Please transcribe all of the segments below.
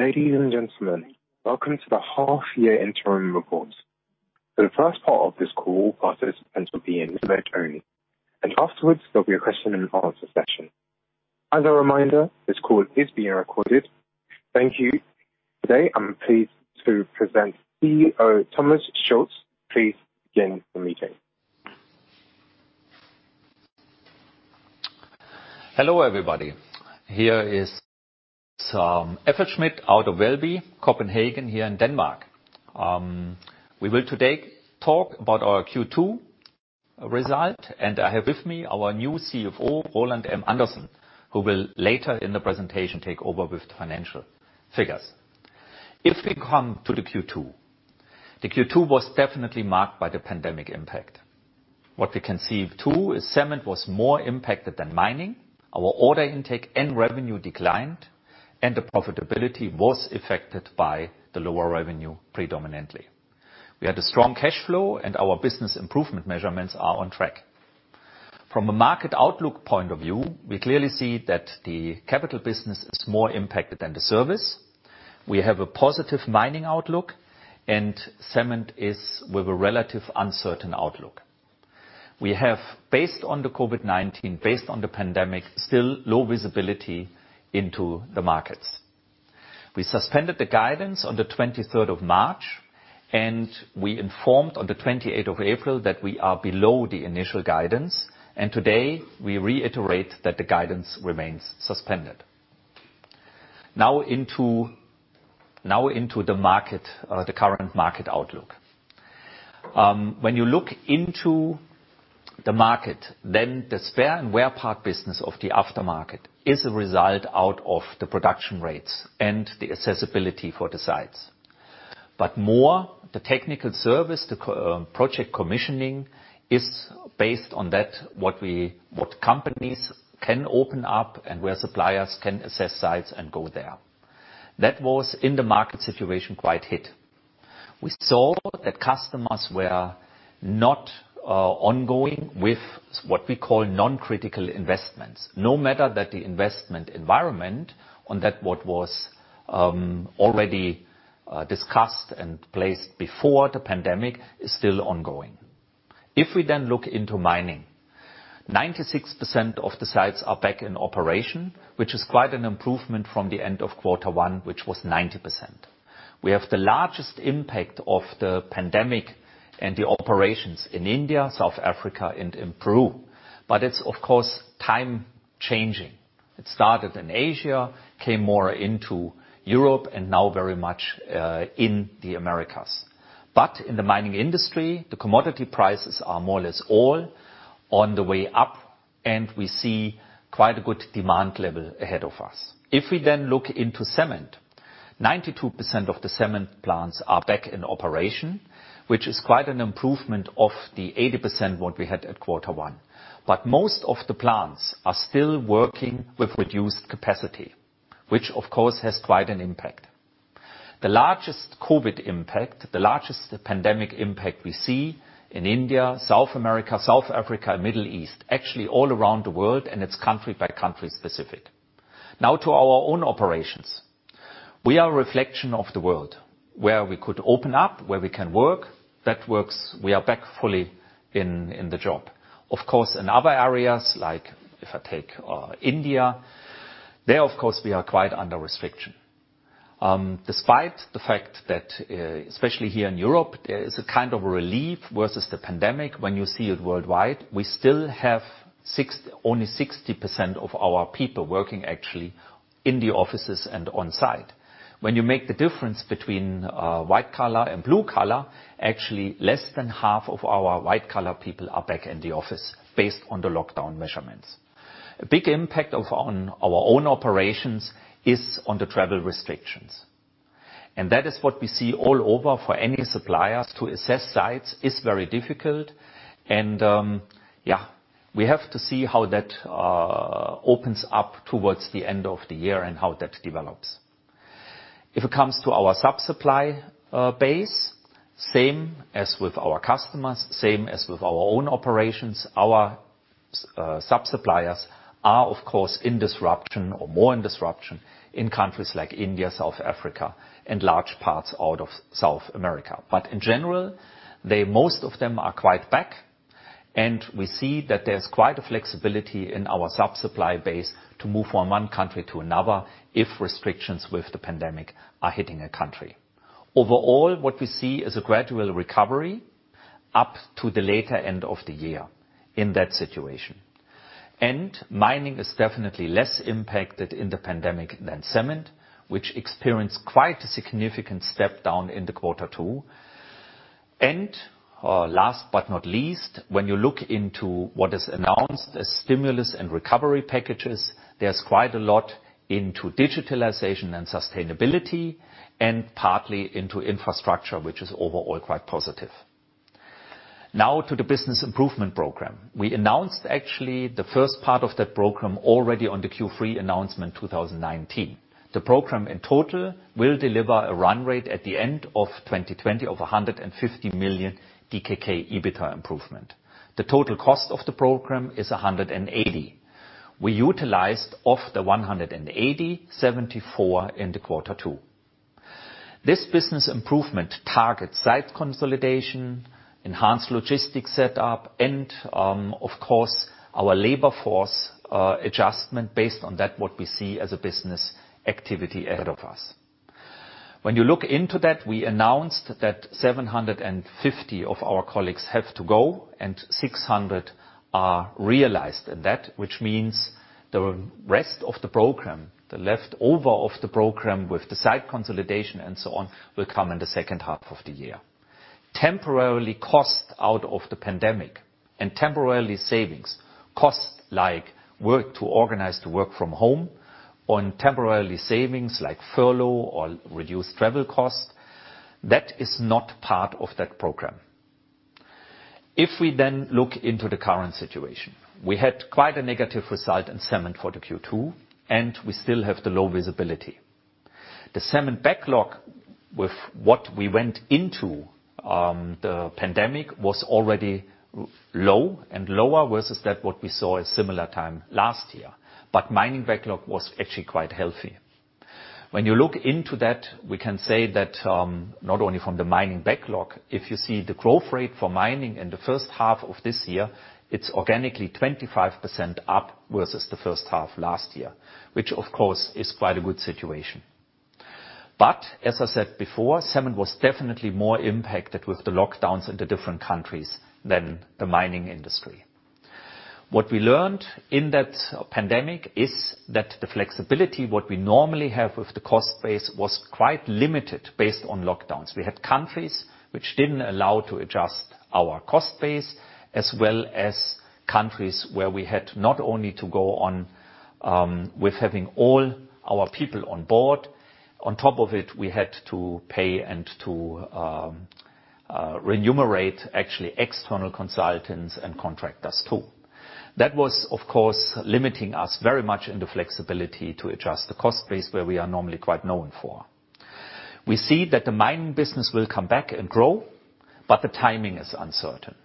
Ladies and gentlemen, welcome to the half-year interim report. For the first part of this call, participants will be in the room only, and afterwards there'll be a question-and-answer session. As a reminder, this call is being recorded. Thank you. Today, I'm pleased to present CEO Thomas Schulz. Please begin the meeting. Hello everybody. Here is FLSmidth out of Valby, Copenhagen here in Denmark. We will today talk about our Q2 result, and I have with me our new CFO, Roland M. Andersen, who will later in the presentation take over with financial figures. If we come to the Q2, the Q2 was definitely marked by the pandemic impact. What we can see too is Cement was more impacted than Mining. Our order intake and revenue declined, and the profitability was affected by the lower revenue predominantly. We had a strong cash flow, and our business improvement measurements are on track. From a market outlook point of view, we clearly see that the capital business is more impacted than the service. We have a positive mining outlook, and Cement is with a relative uncertain outlook. We have, based on the COVID-19, based on the pandemic, still low visibility into the markets. We suspended the guidance on the 23rd of March, and we informed on the 28th of April that we are below the initial guidance, and today we reiterate that the guidance remains suspended. Now into the market, the current market outlook. When you look into the market, then the spare and wear part business of the aftermarket is a result out of the production rates and the accessibility for the sites. But more, the technical service, the co-project commissioning is based on that, what companies can open up and where suppliers can assess sites and go there. That was in the market situation quite hit. We saw that customers were not ongoing with what we call non-critical investments, no matter that the investment environment on that what was already discussed and placed before the pandemic is still ongoing. If we then look into Mining, 96% of the sites are back in operation, which is quite an improvement from the end of quarter one, which was 90%. We have the largest impact of the pandemic and the operations in India, South Africa, and in Peru, but it's, of course, time-changing. It started in Asia, came more into Europe, and now very much in the Americas but in the mining industry, the commodity prices are more or less all on the way up, and we see quite a good demand level ahead of us. If we then look into Cement, 92% of the cement plants are back in operation, which is quite an improvement of the 80% what we had at quarter one but most of the plants are still working with reduced capacity, which, of course, has quite an impact. The largest COVID impact, the largest pandemic impact we see in India, South America, South Africa, Middle East, actually all around the world, and it's country-by-country specific. Now to our own operations. We are a reflection of the world where we could open up, where we can work. That works. We are back fully in the job. Of course, in other areas, like if I take India, there, of course, we are quite under restriction. Despite the fact that, especially here in Europe, there is a kind of a relief versus the pandemic when you see it worldwide, we still have only 60% of our people working actually in the offices and on-site. When you make the difference between white collar and blue collar, actually less than half of our white collar people are back in the office based on the lockdown measures. A big impact on our own operations is the travel restrictions, and that is what we see all over. For any supplier to assess sites is very difficult, and yeah, we have to see how that opens up towards the end of the year and how that develops. If it comes to our sub-supply base, same as with our customers, same as with our own operations, our sub-suppliers are, of course, in disruption or more in disruption in countries like India, South Africa, and large parts of South America. But in general, they, most of them are quite back, and we see that there's quite a flexibility in our sub-supply base to move from one country to another if restrictions with the pandemic are hitting a country. Overall, what we see is a gradual recovery up to the later end of the year in that situation. And Mining is definitely less impacted in the pandemic than Cement, which experienced quite a significant step down in the quarter two. And, last but not least, when you look into what is announced as stimulus and recovery packages, there's quite a lot into digitalization and sustainability and partly into infrastructure, which is overall quite positive. Now to the business improvement program. We announced actually the first part of that program already on the Q3 announcement 2019. The program in total will deliver a run rate at the end of 2020 of 150 million DKK EBITDA improvement. The total cost of the program is 180. We utilized of the 180, 74 in the quarter two. This business improvement targets site consolidation, enhanced logistics setup, and, of course, our labor force, adjustment based on that what we see as a business activity ahead of us. When you look into that, we announced that 750 of our colleagues have to go and 600 are realized in that, which means the rest of the program, the leftover of the program with the site consolidation and so on, will come in the second half of the year. Temporary costs out of the pandemic and temporary savings, costs like work organization to work from home or temporary savings like furlough or reduced travel costs, that is not part of that program. If we then look into the current situation, we had quite a negative result in Cement for the Q2, and we still have the low visibility. The Cement backlog with what we went into, the pandemic was already low and lower versus what we saw at a similar time last year, but mining backlog was actually quite healthy. When you look into that, we can say that, not only from the mining backlog, if you see the growth rate for Mining in the first half of this year, it's organically 25% up versus the first half last year, which, of course, is quite a good situation. But as I said before, Cement was definitely more impacted with the lockdowns in the different countries than the mining industry. What we learned in that pandemic is that the flexibility what we normally have with the cost base was quite limited based on lockdowns. We had countries which didn't allow to adjust our cost base as well as countries where we had not only to go on, with having all our people on board. On top of it, we had to pay and to, remunerate actually external consultants and contractors too. That was, of course, limiting us very much in the flexibility to adjust the cost base where we are normally quite known for. We see that the Mining business will come back and grow, but the timing is uncertain.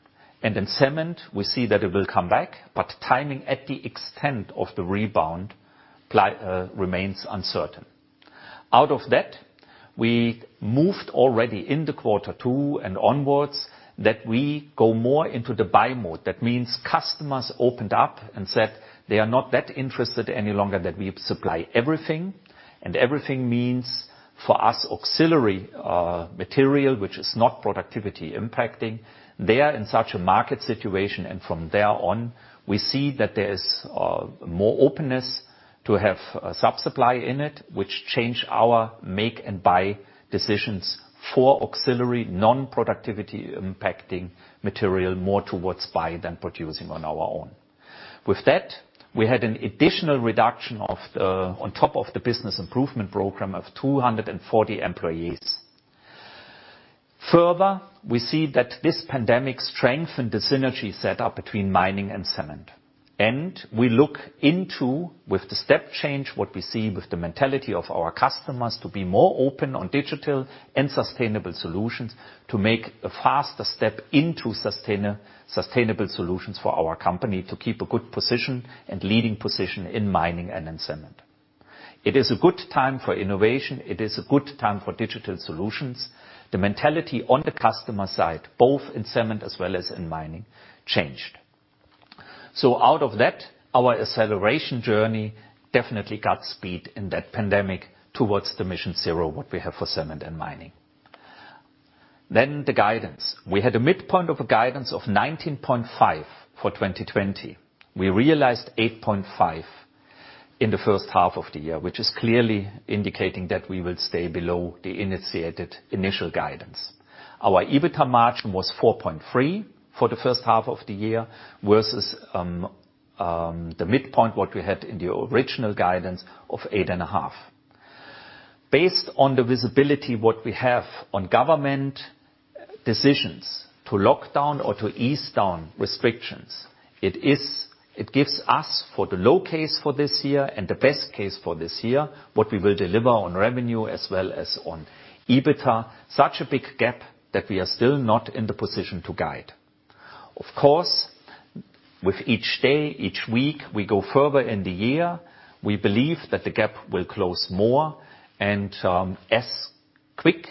And in Cement, we see that it will come back, but timing at the extent of the rebound ply remains uncertain. Out of that, we moved already in the quarter two and onwards that we go more into the buy mode. That means customers opened up and said they are not that interested any longer that we supply everything, and everything means for us auxiliary material which is not productivity impacting. They are in such a market situation, and from there on, we see that there is more openness to have a sub-supply in it, which changed our make and buy decisions for auxiliary non-productivity impacting material more towards buy than producing on our own. With that, we had an additional reduction of 240 employees on top of the Business Improvement Program. Further, we see that this pandemic strengthened the synergy setup between Mining and Cement, and we look into with the step change what we see with the mentality of our customers to be more open on digital and sustainable solutions to make a faster step into sustainable, sustainable solutions for our company to keep a good position and leading position in mining and in cement. It is a good time for innovation. It is a good time for digital solutions. The mentality on the customer side, both in Cement as well as in Mining, changed, so out of that, our acceleration journey definitely got speed in that pandemic towards the MissionZero what we have for Cement and Mining, then the guidance. We had a midpoint of a guidance of 19.5 for 2020. We realized 8.5 in the first half of the year, which is clearly indicating that we will stay below the initiated initial guidance. Our EBITDA margin was 4.3 for the first half of the year versus the midpoint what we had in the original guidance of 8 and a half. Based on the visibility what we have on government decisions to lock down or to ease down restrictions, it is, it gives us for the low case for this year and the best case for this year what we will deliver on revenue as well as on EBITDA, such a big gap that we are still not in the position to guide. Of course, with each day, each week, we go further in the year, we believe that the gap will close more, and as quick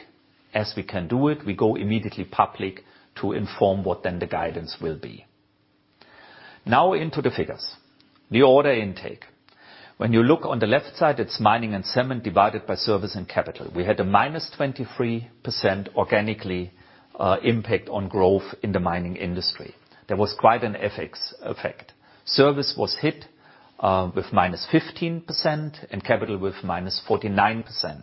as we can do it, we go immediately public to inform what then the guidance will be. Now into the figures. The order intake. When you look on the left side, it's Mining and Cement divided by service and capital. We had a minus 23% organically, impact on growth in the mining industry. There was quite an FX effect. Service was hit with minus 15% and capital with minus 49%.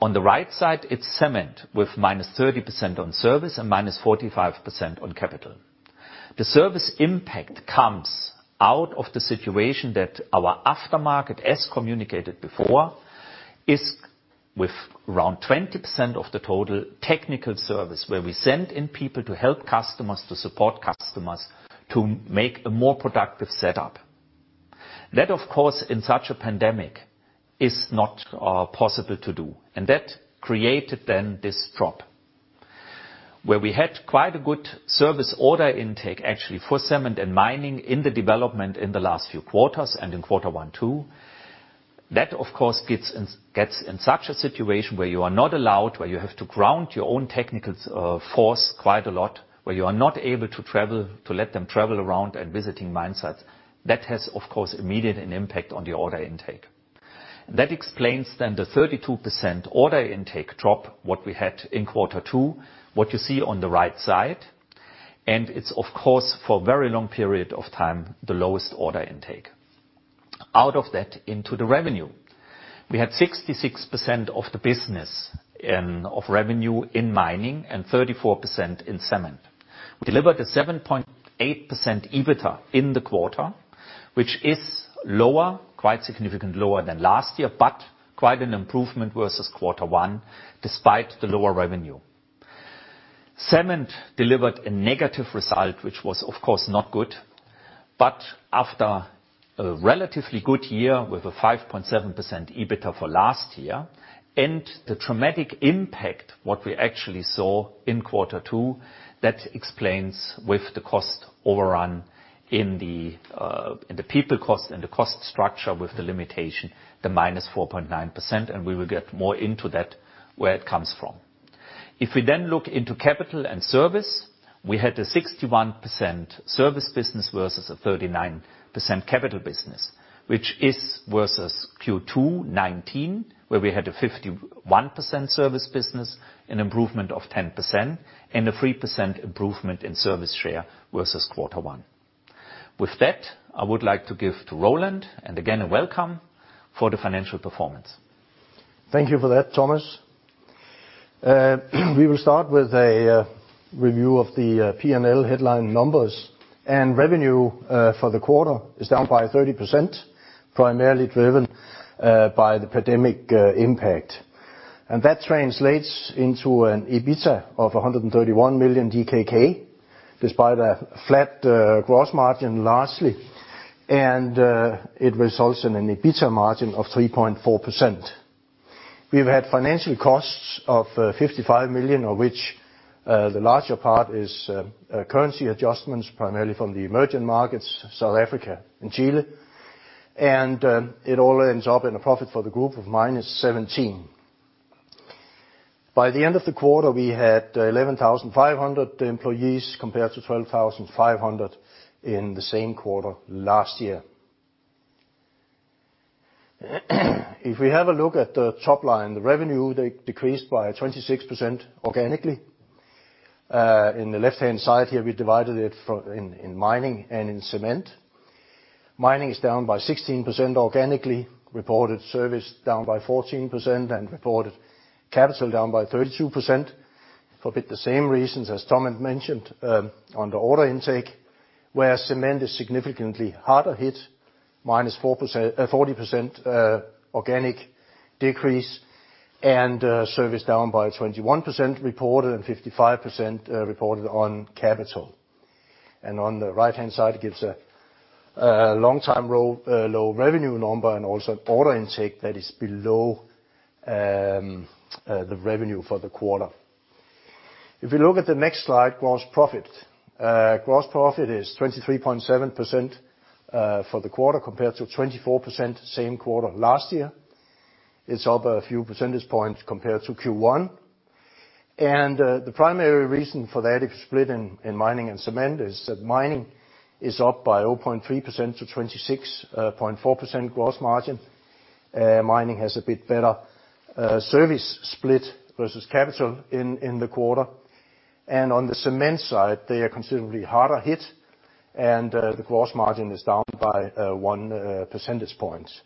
On the right side, it's Cement with minus 30% on service and minus 45% on capital. The service impact comes out of the situation that our aftermarket, as communicated before, is with around 20% of the total technical service where we send in people to help customers, to support customers, to make a more productive setup. That, of course, in such a pandemic is not possible to do, and that created then this drop where we had quite a good service order intake actually for Cement and Mining in the development in the last few quarters and in quarter one two. That, of course, gets in such a situation where you are not allowed, where you have to ground your own technical force quite a lot, where you are not able to travel to let them travel around and visiting mine sites. That has, of course, immediate impact on the order intake. That explains then the 32% order intake drop what we had in quarter two, what you see on the right side, and it's, of course, for a very long period of time the lowest order intake. Out of that, into the revenue. We had 66% of the business and of revenue in Mining and 34% in Cement. We delivered a 7.8% EBITDA in the quarter, which is lower, quite significantly lower than last year, but quite an improvement versus quarter one despite the lower revenue. Cement delivered a negative result, which was, of course, not good, but after a relatively good year with a 5.7% EBITDA for last year and the dramatic impact what we actually saw in quarter two, that explains with the cost overrun in the people cost and the cost structure with the limitation, the minus 4.9%, and we will get more into that where it comes from. If we then look into capital and service, we had a 61% service business versus a 39% capital business, which is versus Q2 2019 where we had a 51% service business, an improvement of 10%, and a 3% improvement in service share versus quarter one. With that, I would like to give to Roland and again a welcome for the financial performance. Thank you for that, Thomas. We will start with a review of the P&L headline numbers, and revenue for the quarter is down by 30%, primarily driven by the pandemic impact. That translates into an EBITDA of 131 million DKK despite a flat gross margin. Lastly, it results in an EBITDA margin of 3.4%. We've had financial costs of 55 million, of which the larger part is currency adjustments primarily from the emerging markets, South Africa and Chile, and it all ends up in a profit for the group of minus 17. By the end of the quarter, we had 11,500 employees compared to 12,500 in the same quarter last year. If we have a look at the top line, the revenue decreased by 26% organically. On the left-hand side here, we divided it into Mining and Cement. Mining is down by 16% organically, reported service down by 14%, and reported capital down by 32% for basically the same reasons as Thomas mentioned on the order intake, whereas Cement is significantly harder hit, minus 40% organic decrease, and service down by 21% reported and 55% reported on capital. On the right-hand side, it gives a long-time low revenue number and also an order intake that is below the revenue for the quarter. If we look at the next slide, gross profit is 23.7% for the quarter compared to 24% same quarter last year. It is up a few percentage points compared to Q1, and the primary reason for that, if you split in Mining and Cement, is that Mining is up by 0.3% to 26.4% gross margin. Mining has a bit better service split versus capital in the quarter, and on the Cement side, they are considerably harder hit, and the gross margin is down by one percentage points.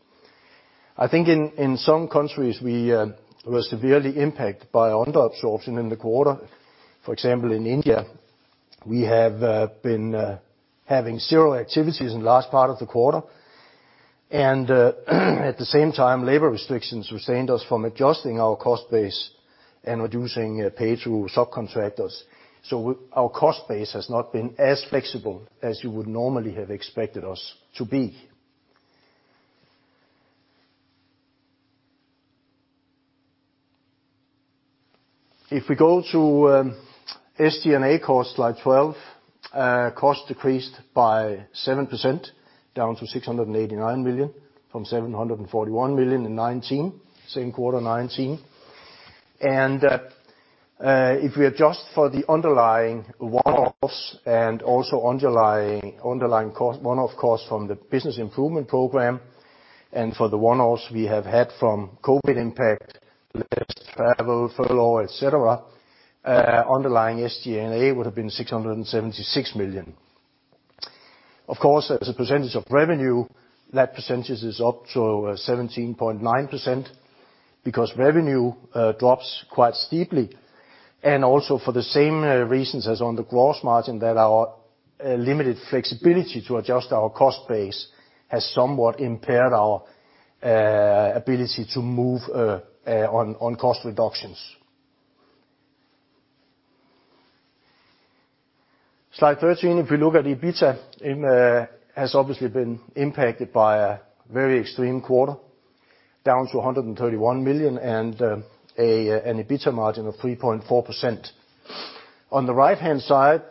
I think in some countries, we were severely impacted by under-absorption in the quarter. For example, in India, we have been having zero activities in large part of the quarter, and at the same time, labor restrictions restrained us from adjusting our cost base and reducing pay to subcontractors. So our cost base has not been as flexible as you would normally have expected us to be. If we go to the SG&A cost, slide 12, cost decreased by 7% down to 689 million from 741 million in 2019, same quarter 2019. If we adjust for the underlying one-offs and also underlying, underlying cost, one-off cost from the Business Improvement Program and for the one-offs we have had from COVID impact, less travel, furlough, etc., underlying SG&A would have been 676 million. Of course, as a percentage of revenue, that percentage is up to 17.9% because revenue drops quite steeply and also for the same reasons as on the gross margin that our limited flexibility to adjust our cost base has somewhat impaired our ability to move on cost reductions. Slide 13, if we look at EBITDA, it has obviously been impacted by a very extreme quarter down to 131 million and an EBITDA margin of 3.4%. On the right-hand side,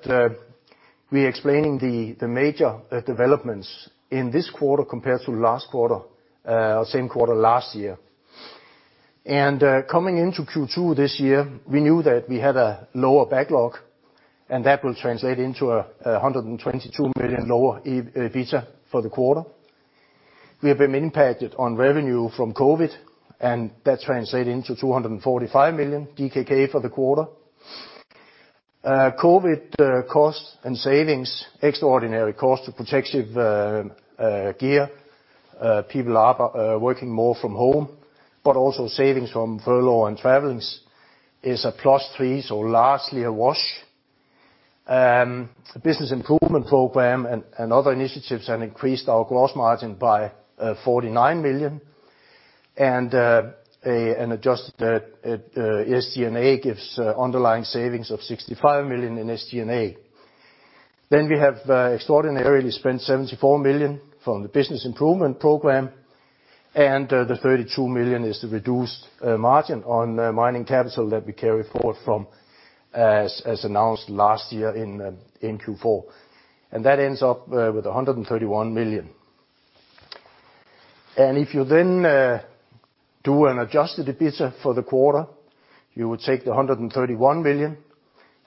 we are explaining the major developments in this quarter compared to last quarter, same quarter last year. Coming into Q2 this year, we knew that we had a lower backlog, and that will translate into 122 million lower EBITDA for the quarter. We have been impacted on revenue from COVID, and that translated into 245 million DKK for the quarter. COVID cost and savings, extraordinary cost to protective gear, people are working more from home, but also savings from furlough and travelings is a plus 3, so largely a wash. The Business Improvement Program and other initiatives have increased our gross margin by 49 million, and an adjusted SG&A gives underlying savings of 65 million in SG&A. Then we have extraordinarily spent 74 million from the Business Improvement Program, and the 32 million is the reduced margin on mining capital that we carry forward from as announced last year in Q4, and that ends up with 131 million. And if you then do an adjusted EBITDA for the quarter, you would take the 131 million,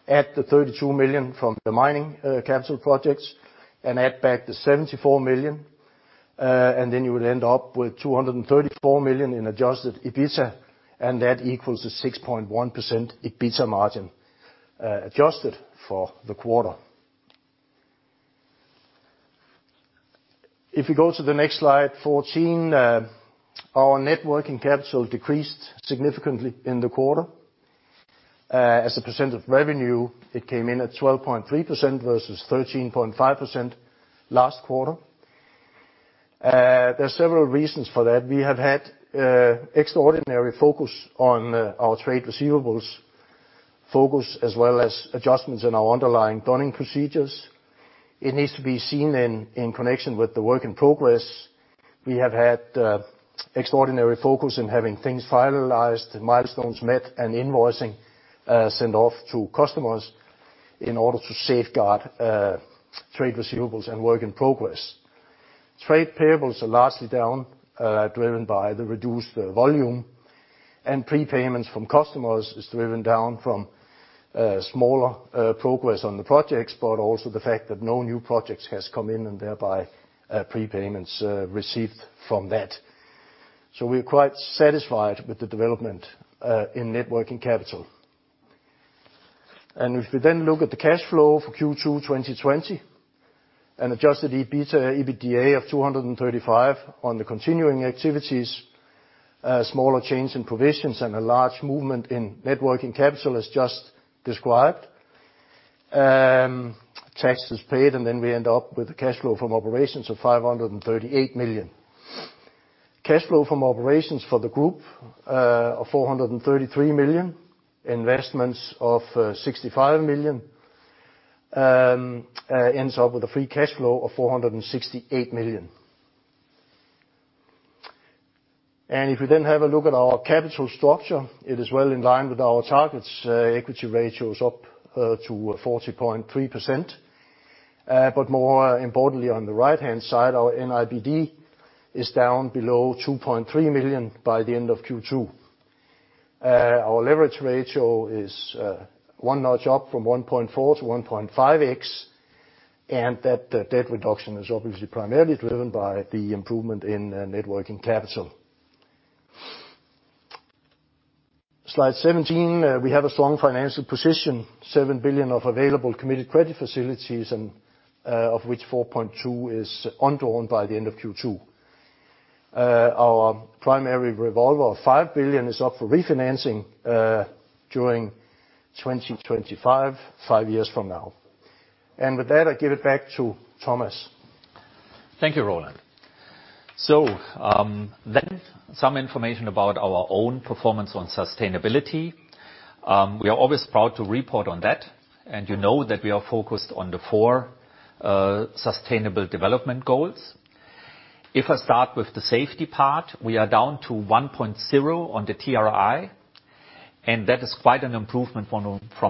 add the 32 million from the mining capital projects, and add back the 74 million, and then you would end up with 234 million in adjusted EBITDA, and that equals a 6.1% EBITDA margin, adjusted for the quarter. If we go to the next slide 14, our net working capital decreased significantly in the quarter. As a percent of revenue, it came in at 12.3% versus 13.5% last quarter. There's several reasons for that. We have had extraordinary focus on our trade receivables focus as well as adjustments in our underlying billing procedures. It needs to be seen in connection with the work in progress. We have had extraordinary focus in having things finalized, milestones met, and invoicing sent off to customers in order to safeguard trade receivables and work in progress. Trade payables are largely down, driven by the reduced volume, and prepayments from customers is driven down from smaller progress on the projects, but also the fact that no new projects has come in and thereby prepayments received from that. So we are quite satisfied with the development in net working capital. And if we then look at the cash flow for Q2 2020 and adjusted EBITDA, EBITDA of 235 million on the continuing activities, smaller change in provisions and a large movement in net working capital as just described, taxes paid, and then we end up with a cash flow from operations of 538 million. Cash flow from operations for the group of 433 million, investments of 65 million, ends up with a free cash flow of 468 million. If we then have a look at our capital structure, it is well in line with our targets. Equity ratio up to 40.3%, but more importantly, on the right-hand side, our NIBD is down below 2.3 million by the end of Q2. Our leverage ratio is one notch up from 1.4x to 1.5x, and that debt reduction is obviously primarily driven by the improvement in net working capital. Slide 17. We have a strong financial position: 7 billion of available committed credit facilities, of which 4.2 billion is undrawn by the end of Q2. Our primary revolver of 5 billion is up for refinancing during 2025, five years from now. With that, I give it back to Thomas. Thank you, Roland. So then, some information about our own performance on sustainability. We are always proud to report on that, and you know that we are focused on the four sustainable development goals. If I start with the safety part, we are down to 1.0 on the TRI, and that is quite an improvement from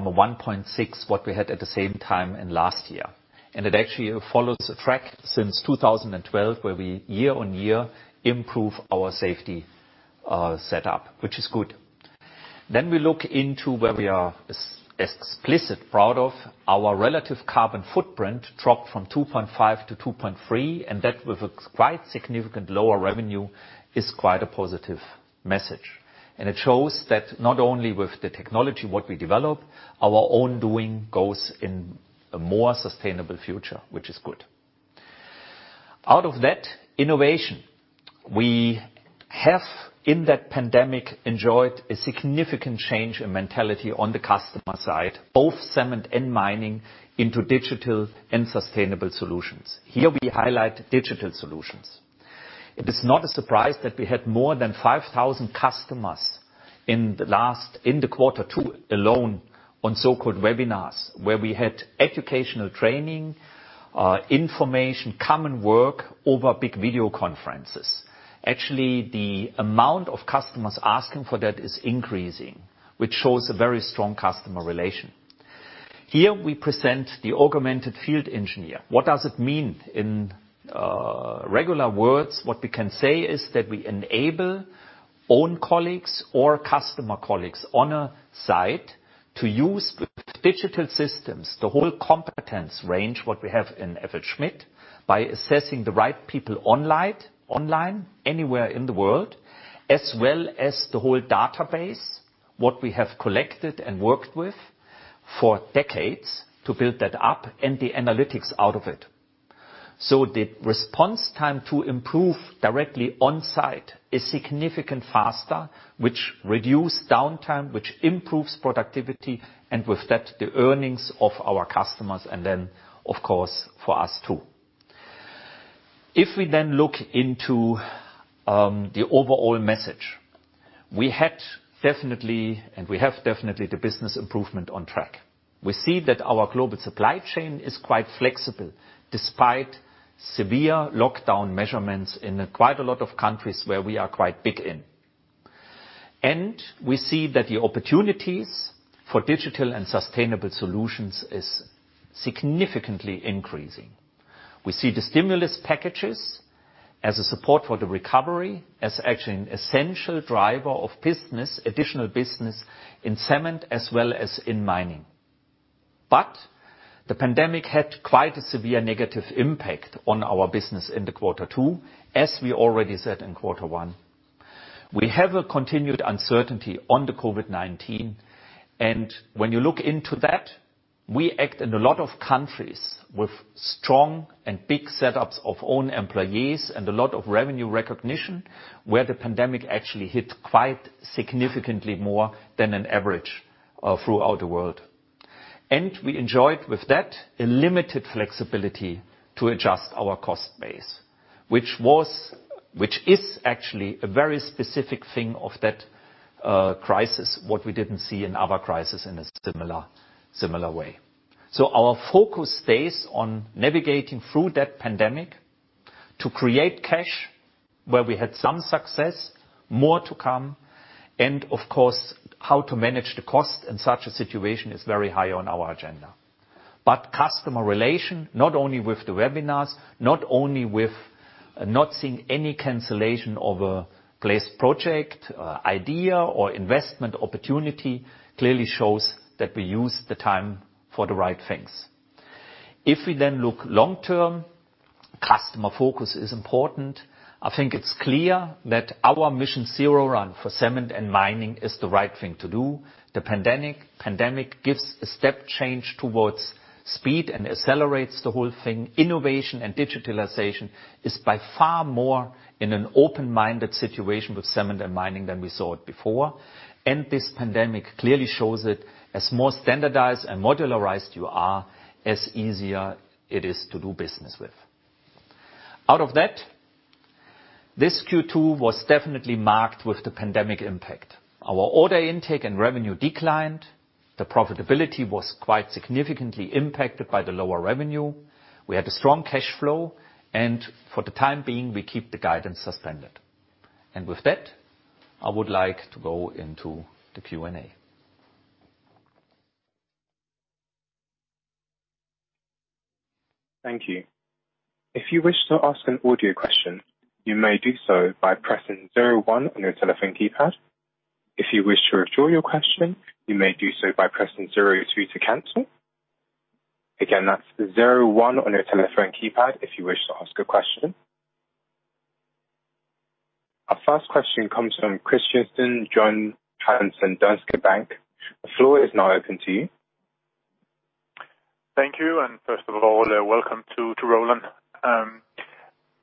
a 1.6 what we had at the same time in last year, and it actually follows a track since 2012 where we year on year improve our safety setup, which is good. Then we look into where we are explicitly proud of our relative carbon footprint dropped from 2.5 to 2.3, and that with a quite significant lower revenue is quite a positive message, and it shows that not only with the technology what we develop, our own doing goes in a more sustainable future, which is good. Out of that, innovation. We have in that pandemic enjoyed a significant change in mentality on the customer side, both Cement and Mining, into digital and sustainable solutions. Here we highlight digital solutions. It is not a surprise that we had more than 5,000 customers in the last, in the quarter two alone on so-called webinars where we had educational training, information, common work over big video conferences. Actually, the amount of customers asking for that is increasing, which shows a very strong customer relation. Here we present the Augmented Field Engineer. What does it mean in regular words? What we can say is that we enable own colleagues or customer colleagues on a site to use digital systems, the whole competence range what we have in FLSmidth by assessing the right people online, online anywhere in the world, as well as the whole database what we have collected and worked with for decades to build that up and the analytics out of it. So the response time to improve directly on site is significantly faster, which reduces downtime, which improves productivity, and with that, the earnings of our customers and then, of course, for us too. If we then look into the overall message, we had definitely, and we have definitely the business improvement on track. We see that our global supply chain is quite flexible despite severe lockdown measures in quite a lot of countries where we are quite big in, and we see that the opportunities for digital and sustainable solutions is significantly increasing. We see the stimulus packages as a support for the recovery as actually an essential driver of business, additional business in Cement as well as in Mining. But the pandemic had quite a severe negative impact on our business in the quarter two, as we already said in quarter one. We have a continued uncertainty on the COVID-19, and when you look into that, we act in a lot of countries with strong and big setups of own employees and a lot of revenue recognition where the pandemic actually hit quite significantly more than an average, throughout the world. We enjoyed with that a limited flexibility to adjust our cost base, which is actually a very specific thing of that crisis what we didn't see in other crises in a similar way. Our focus stays on navigating through that pandemic to create cash where we had some success, more to come, and of course, how to manage the cost in such a situation is very high on our agenda. Customer relation, not only with the webinars, not only with not seeing any cancellation of a large project, idea or investment opportunity, clearly shows that we use the time for the right things. If we then look long-term, customer focus is important. I think it's clear that our MissionZero for Cement and Mining is the right thing to do. The pandemic gives a step change towards speed and accelerates the whole thing. Innovation and digitalization is by far more in an open-minded situation with Cement and Mining than we saw it before, and this pandemic clearly shows it as more standardized and modularized you are, as easier it is to do business with. Out of that, this Q2 was definitely marked with the pandemic impact. Our order intake and revenue declined. The profitability was quite significantly impacted by the lower revenue. We had a strong cash flow, and for the time being, we keep the guidance suspended, and with that, I would like to go into the Q&A. Thank you. If you wish to ask an audio question, you may do so by pressing one zero on your telephone keypad. If you wish to withdraw your question, you may do so by pressing zero two to cancel. Again, that's zero one on your telephone keypad if you wish to ask a question. Our first question comes from Christian Hansen, Danske Bank. The floor is now open to you. Thank you, and first of all, welcome to Roland.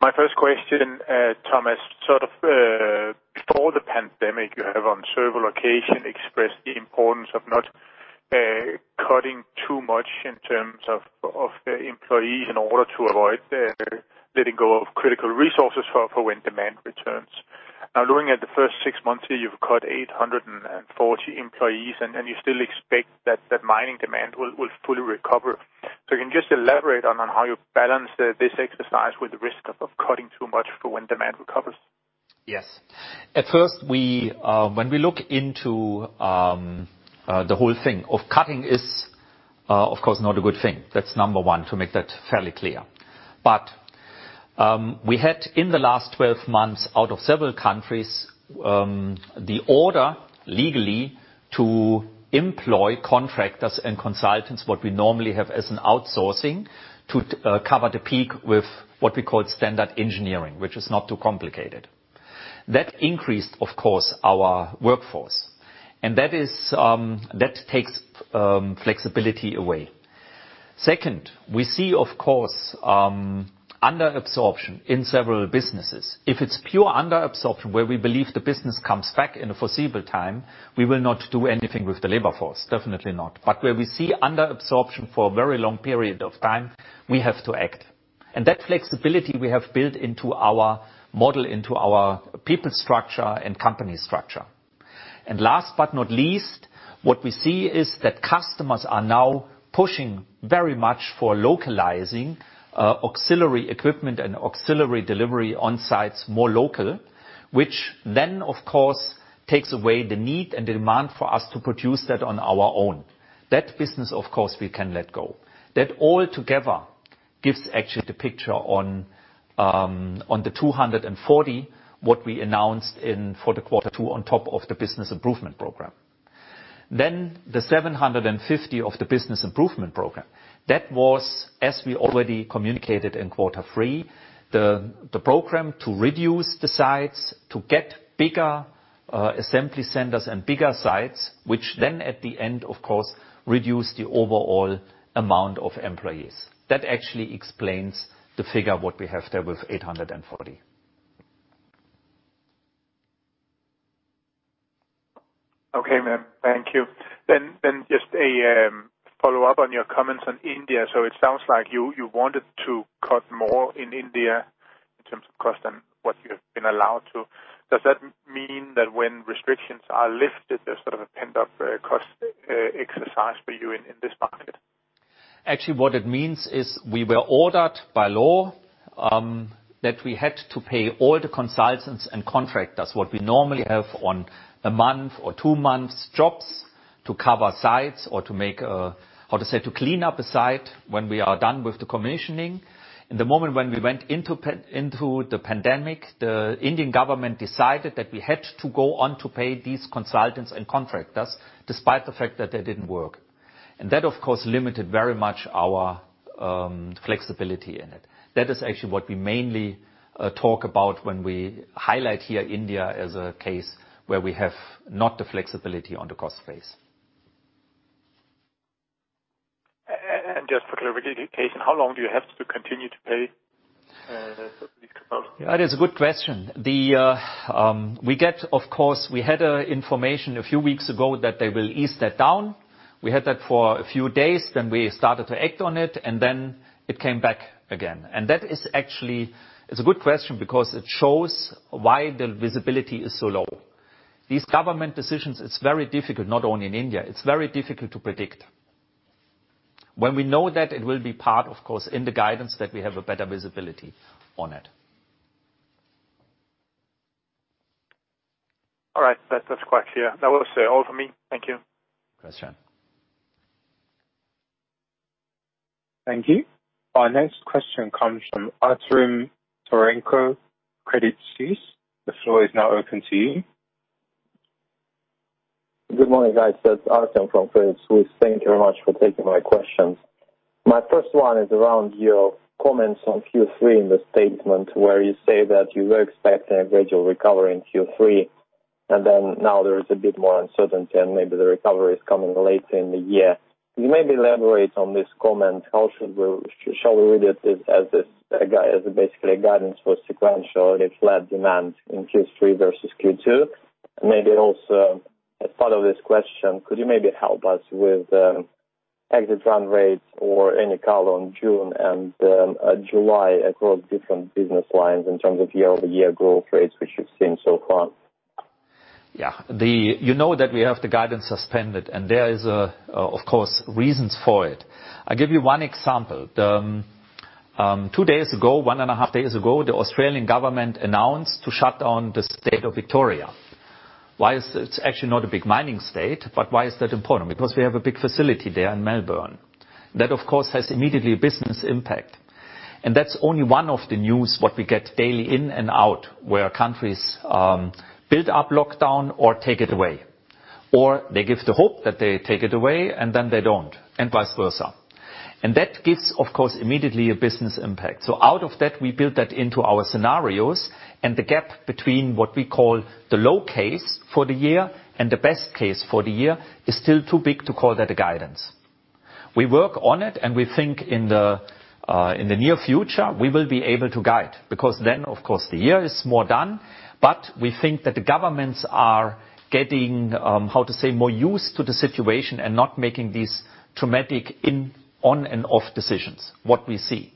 My first question, Thomas, sort of, before the pandemic, you have on several occasions expressed the importance of not cutting too much in terms of employees in order to avoid letting go of critical resources for when demand returns. Now, looking at the first six months here, you've cut 840 employees, and you still expect that mining demand will fully recover. So can you just elaborate on how you balance this exercise with the risk of cutting too much for when demand recovers? Yes. At first, when we look into the whole thing of cutting, it is, of course, not a good thing. That's number one, to make that fairly clear. But we had in the last 12 months, out of several countries, the order legally to employ contractors and consultants, what we normally have as an outsourcing, to cover the peak with what we call standard engineering, which is not too complicated. That increased, of course, our workforce, and that is, that takes flexibility away. Second, we see, of course, under-absorption in several businesses. If it's pure under-absorption where we believe the business comes back in a foreseeable time, we will not do anything with the labor force, definitely not. But where we see under-absorption for a very long period of time, we have to act. And that flexibility we have built into our model, into our people structure and company structure. And last but not least, what we see is that customers are now pushing very much for localizing auxiliary equipment and auxiliary delivery on sites more local, which then, of course, takes away the need and the demand for us to produce that on our own. That business, of course, we can let go. That all together gives actually the picture on, on the 240, what we announced in for the quarter two on top of the business improvement program. Then the 750 of the business improvement program, that was, as we already communicated in quarter three, the, the program to reduce the sites, to get bigger assembly centers and bigger sites, which then at the end, of course, reduced the overall amount of employees. That actually explains the figure what we have there with 840. Okay, ma'am. Thank you. Then just a follow-up on your comments on India. So it sounds like you wanted to cut more in India in terms of cost than what you've been allowed to. Does that mean that when restrictions are lifted, there's sort of a pent-up cost exercise for you in this market? Actually, what it means is we were ordered by law that we had to pay all the consultants and contractors what we normally have on a month or two months jobs to cover sites or to make, how to say, to clean up a site when we are done with the commissioning. In the moment when we went into the pandemic, the Indian government decided that we had to go on to pay these consultants and contractors despite the fact that they didn't work. And that, of course, limited very much our flexibility in it. That is actually what we mainly talk about when we highlight here India as a case where we have not the flexibility on the cost base. And just for clarification, how long do you have to continue to pay these consultants? Yeah, that's a good question. We get, of course, we had information a few weeks ago that they will ease that down. We had that for a few days, then we started to act on it, and then it came back again. That is actually a good question because it shows why the visibility is so low. These government decisions, it's very difficult, not only in India, it's very difficult to predict. When we know that, it will be part, of course, in the guidance that we have a better visibility on it. All right. That does quite clear. That was all for me. Thank you. Question. Thank you. Our next question comes from Artem Tokarenko, Credit Suisse. The floor is now open to you. Good morning, guys. That's Artem from Credit Suisse. Thank you very much for taking my questions. My first one is around your comments on Q3 in the statement where you say that you were expecting a gradual recovery in Q3, and then now there is a bit more uncertainty and maybe the recovery is coming later in the year. Could you maybe elaborate on this comment? How should we shall we read it as, as this, guy, as basically a guidance for sequential and flat demand in Q3 versus Q2? And maybe also, as part of this question, could you maybe help us with, exit run rates or any color on June and, July across different business lines in terms of year-over-year growth rates, which you've seen so far? Yeah. You know that we have the guidance suspended, and there is, of course, reasons for it. I'll give you one example. Two days ago, one and a half days ago, the Australian government announced to shut down the state of Victoria. Why is it actually not a big mining state, but why is that important? Because we have a big facility there in Melbourne. That, of course, has immediately a business impact, and that's only one of the news what we get daily in and out where countries build up lockdown or take it away, or they give the hope that they take it away and then they don't, and vice versa. And that gives, of course, immediately a business impact. So out of that, we built that into our scenarios, and the gap between what we call the low case for the year and the best case for the year is still too big to call that a guidance. We work on it, and we think in the near future, we will be able to guide because then, of course, the year is more done, but we think that the governments are getting, how to say, more used to the situation and not making these traumatic in-on and off decisions, what we see.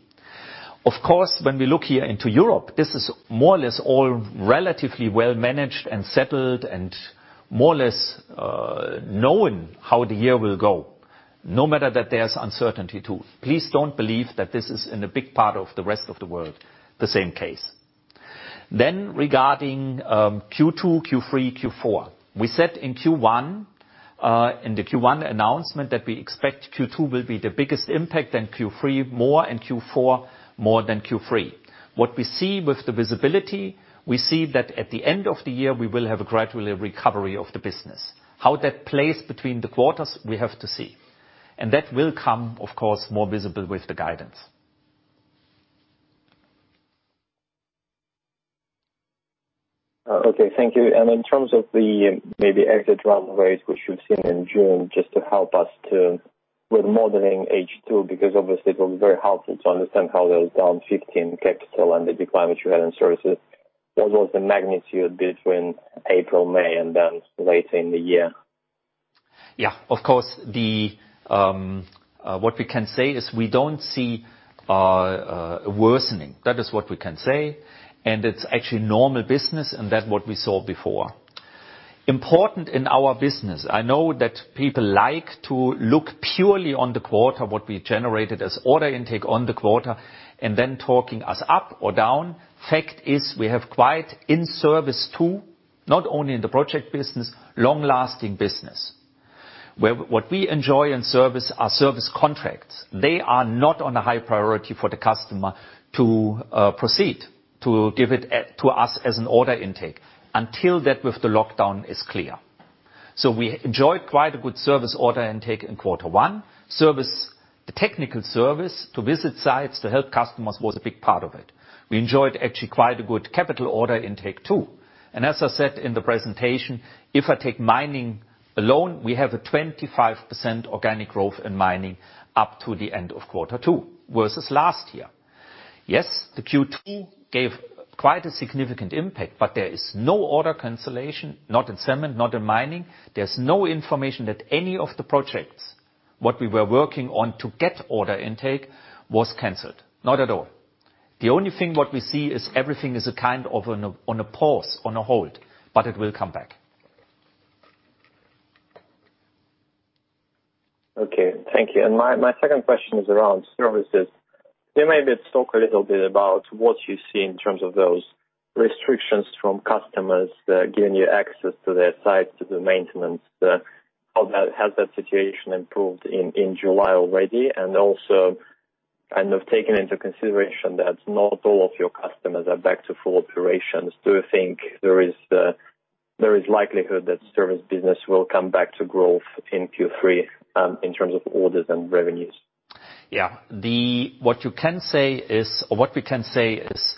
Of course, when we look here into Europe, this is more or less all relatively well managed and settled and more or less, knowing how the year will go, no matter that there's uncertainty too. Please don't believe that this is in a big part of the rest of the world, the same case. Then, regarding Q2, Q3, Q4, we said in Q1, in the Q1 announcement that we expect Q2 will be the biggest impact and Q3 more and Q4 more than Q3. What we see with the visibility, we see that at the end of the year, we will have a gradual recovery of the business. How that plays between the quarters, we have to see. And that will come, of course, more visible with the guidance. Okay. Thank you. And in terms of the, maybe exit run rate, which we've seen in June, just to help us to with modeling H2, because obviously, it was very helpful to understand how there was down 15 capital and the decline which we had in services, what was the magnitude between April, May, and then later in the year? Yeah. Of course, what we can say is we don't see worsening. That is what we can say, and it's actually normal business, and that's what we saw before. Important in our business, I know that people like to look purely on the quarter, what we generated as order intake on the quarter, and then talking us up or down. Fact is we have quite in service too, not only in the project business, long-lasting business, where what we enjoy in service are service contracts. They are not on a high priority for the customer to proceed to give it to us as an order intake until that with the lockdown is clear. So we enjoyed quite a good service order intake in quarter one. Service, the technical service to visit sites to help customers was a big part of it. We enjoyed actually quite a good capital order intake too, and as I said in the presentation, if I take Mining alone, we have a 25% organic growth in Mining up to the end of quarter two versus last year. Yes, the Q2 gave quite a significant impact, but there is no order cancellation, not in Cement, not in Mining. There's no information that any of the projects what we were working on to get order intake was canceled, not at all. The only thing what we see is everything is a kind of on a pause, on a hold, but it will come back. Okay. Thank you. And my second question is around services. Can you maybe talk a little bit about what you see in terms of those restrictions from customers, giving you access to their sites, to do maintenance? How has that situation improved in July already? And also, kind of taking into consideration that not all of your customers are back to full operations, do you think there is likelihood that service business will come back to growth in Q3, in terms of orders and revenues? Yeah. The what you can say is, or what we can say is,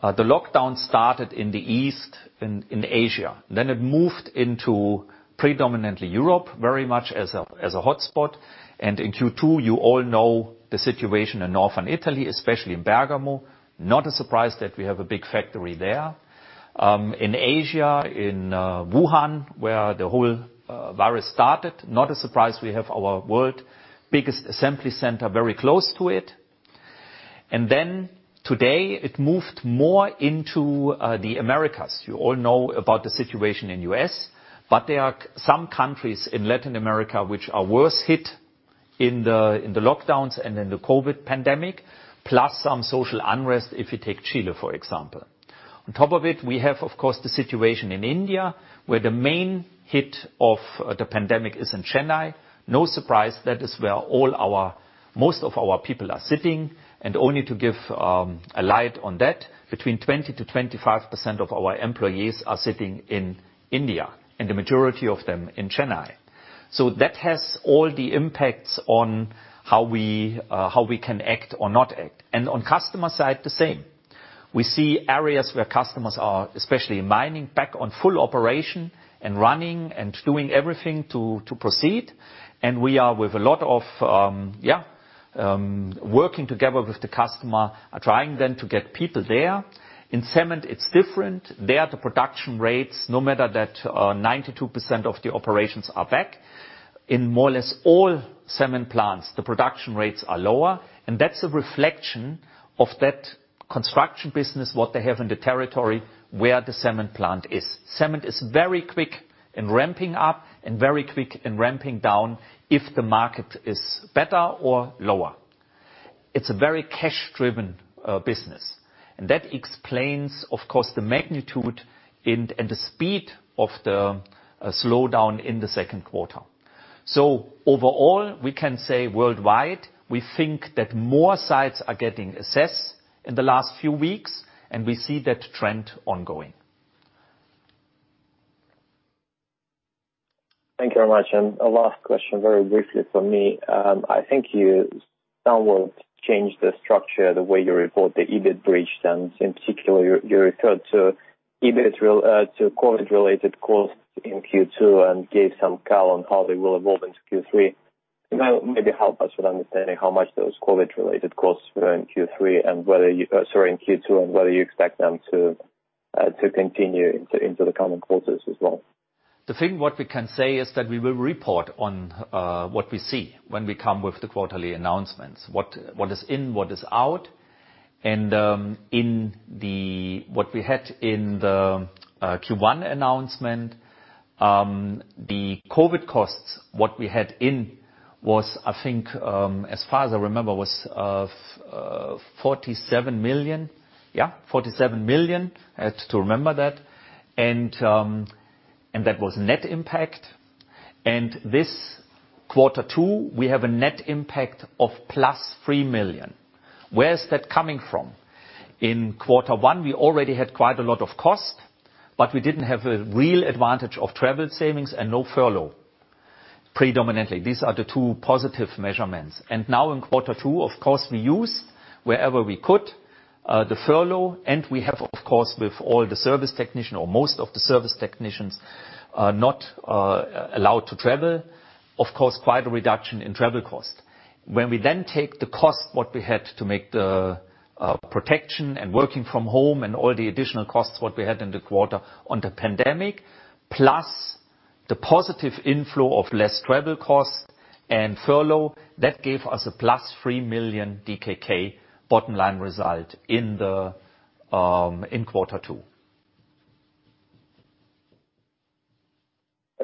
the lockdown started in the east in Asia. Then it moved into predominantly Europe very much as a hotspot. And in Q2, you all know the situation in northern Italy, especially in Bergamo. Not a surprise that we have a big factory there. In Asia, in Wuhan, where the whole virus started, not a surprise. We have our world's biggest assembly center very close to it. And then today, it moved more into the Americas. You all know about the situation in US, but there are some countries in Latin America which are worse hit in the lockdowns and in the COVID pandemic, plus some social unrest if you take Chile, for example. On top of it, we have, of course, the situation in India where the main hit of the pandemic is in Chennai. No surprise. That is where most of our people are sitting, and only to give a light on that, between 20%-25% of our employees are sitting in India and the majority of them in Chennai, so that has all the impacts on how we can act or not act, and on customer side, the same. We see areas where customers are, especially Mining, back on full operation and running and doing everything to proceed, and we are with a lot of working together with the customer, trying then to get people there. In Cement, it's different. There, the production rates, no matter that 92% of the operations are back. In more or less all cement plants, the production rates are lower. And that's a reflection of that construction business, what they have in the territory where the cement plant is. Cement is very quick in ramping up and very quick in ramping down if the market is better or lower. It's a very cash-driven business. And that explains, of course, the magnitude and the speed of the slowdown in the second quarter. So overall, we can say worldwide, we think that more sites are getting assessed in the last few weeks, and we see that trend ongoing. Thank you very much. And a last question, very briefly from me. I think you somewhat changed the structure, the way you report the EBIT bridge and in particular, you referred to EBIT related to COVID-related costs in Q2 and gave some color on how they will evolve into Q3. Can you maybe help us with understanding how much those COVID-related costs were in Q3 and whether you, sorry, in Q2, and whether you expect them to continue into the coming quarters as well? The thing we can say is that we will report on what we see when we come with the quarterly announcements, what is in, what is out. In the Q1 announcement, the COVID costs what we had in was, I think, as far as I remember, 47 million. Yeah, 47 million. I had to remember that. That was net impact. This quarter two, we have a net impact of plus 3 million. Where's that coming from? In quarter one, we already had quite a lot of cost, but we didn't have a real advantage of travel savings and no furlough predominantly. These are the two positive measurements. Now in quarter two, of course, we used wherever we could the furlough. And we have, of course, with all the service technician or most of the service technicians not allowed to travel, of course, quite a reduction in travel cost. When we then take the cost what we had to make the protection and working from home and all the additional costs what we had in the quarter on the pandemic, plus the positive inflow of less travel cost and furlough, that gave us a plus three million DKK bottom line result in quarter two.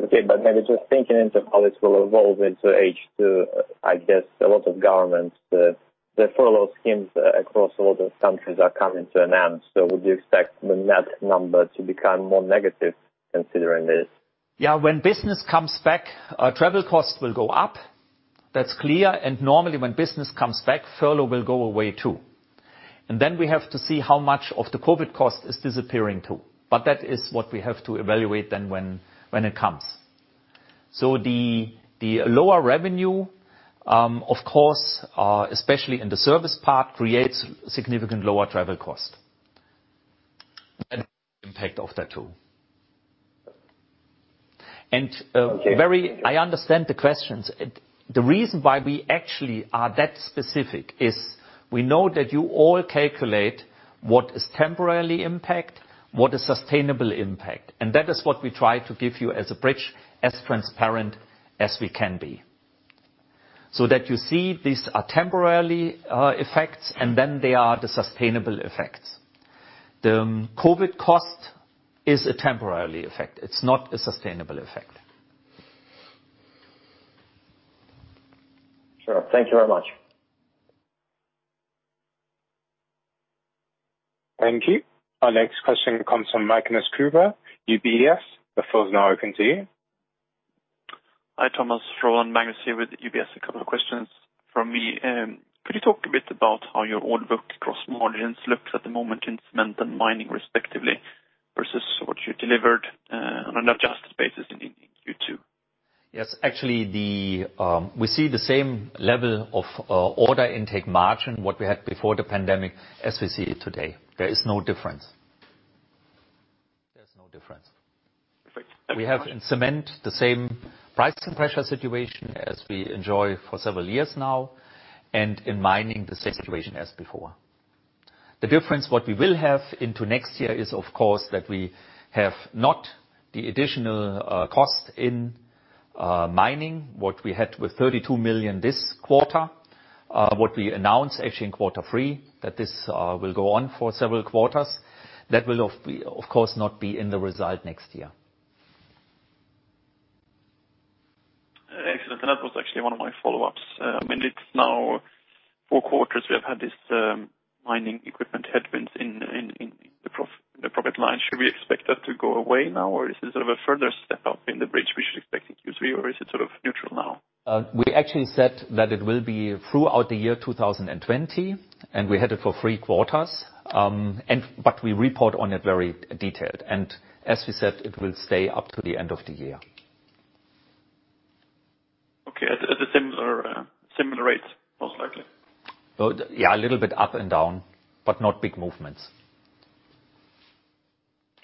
Okay. But maybe just thinking into how this will evolve into H2, I guess a lot of governments, the furlough schemes across a lot of countries are coming to an end. So would you expect the net number to become more negative considering this? Yeah. When business comes back, travel costs will go up. That's clear, and normally when business comes back, furlough will go away too, and then we have to see how much of the COVID cost is disappearing too. But that is what we have to evaluate then when it comes, so the lower revenue, of course, especially in the service part, creates significant lower travel cost. That impact of that too, and Okay. Well, I understand the questions. The reason why we actually are that specific is we know that you all calculate what is temporary impact, what is sustainable impact, and that is what we try to give you as a bridge, as transparent as we can be, so that you see these are temporary effects, and then they are the sustainable effects. The COVID cost is a temporary effect. It's not a sustainable effect. Sure. Thank you very much. Thank you. Our next question comes from Magnus Kruber, UBS. The floor is now open to you. Hi, Thomas. Roland, Magnus here with UBS. A couple of questions from me. Could you talk a bit about how your order book across margins looks at the moment in Cement and Mining respectively versus what you delivered, on an adjusted basis in Q2? Yes. Actually, we see the same level of order intake margin what we had before the pandemic as we see it today. There is no difference. There's no difference. Perfect. Thank you. We have in Cement the same price and pressure situation as we enjoy for several years now, and in Mining, the same situation as before. The difference what we will have into next year is, of course, that we have not the additional cost in mining what we had with 32 million this quarter, what we announced actually in quarter three, that this will go on for several quarters. That will, of course, not be in the result next year. Excellent. And that was actually one of my follow-ups. And it's now four quarters we have had this, mining equipment headwinds in the profit line. Should we expect that to go away now, or is it sort of a further step up in the breach we should expect in Q3, or is it sort of neutral now? We actually said that it will be throughout the year 2020, and we had it for three quarters, but we report on it very detailed, and as we said, it will stay up to the end of the year. Okay. At the same or similar rates, most likely? Yeah, a little bit up and down, but not big movements.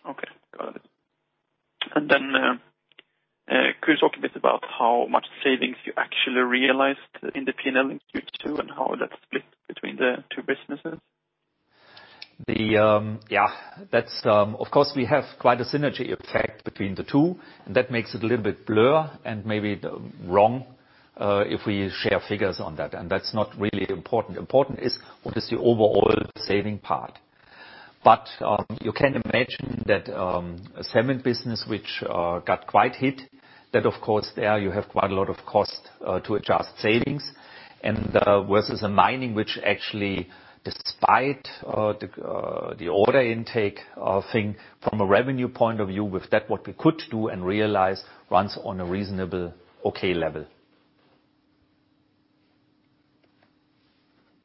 Okay. Got it. And then, could you talk a bit about how much savings you actually realized in the P&L in Q2 and how that's split between the two businesses? Yeah, that's, of course, we have quite a synergy effect between the two, and that makes it a little bit blur and maybe wrong, if we share figures on that. And that's not really important. Important is what is the overall saving part. But you can imagine that a cement business which got quite hit, that of course there you have quite a lot of cost to adjust savings. And versus a mining which actually, despite the order intake thing, from a revenue point of view, with that what we could do and realize runs on a reasonable okay level.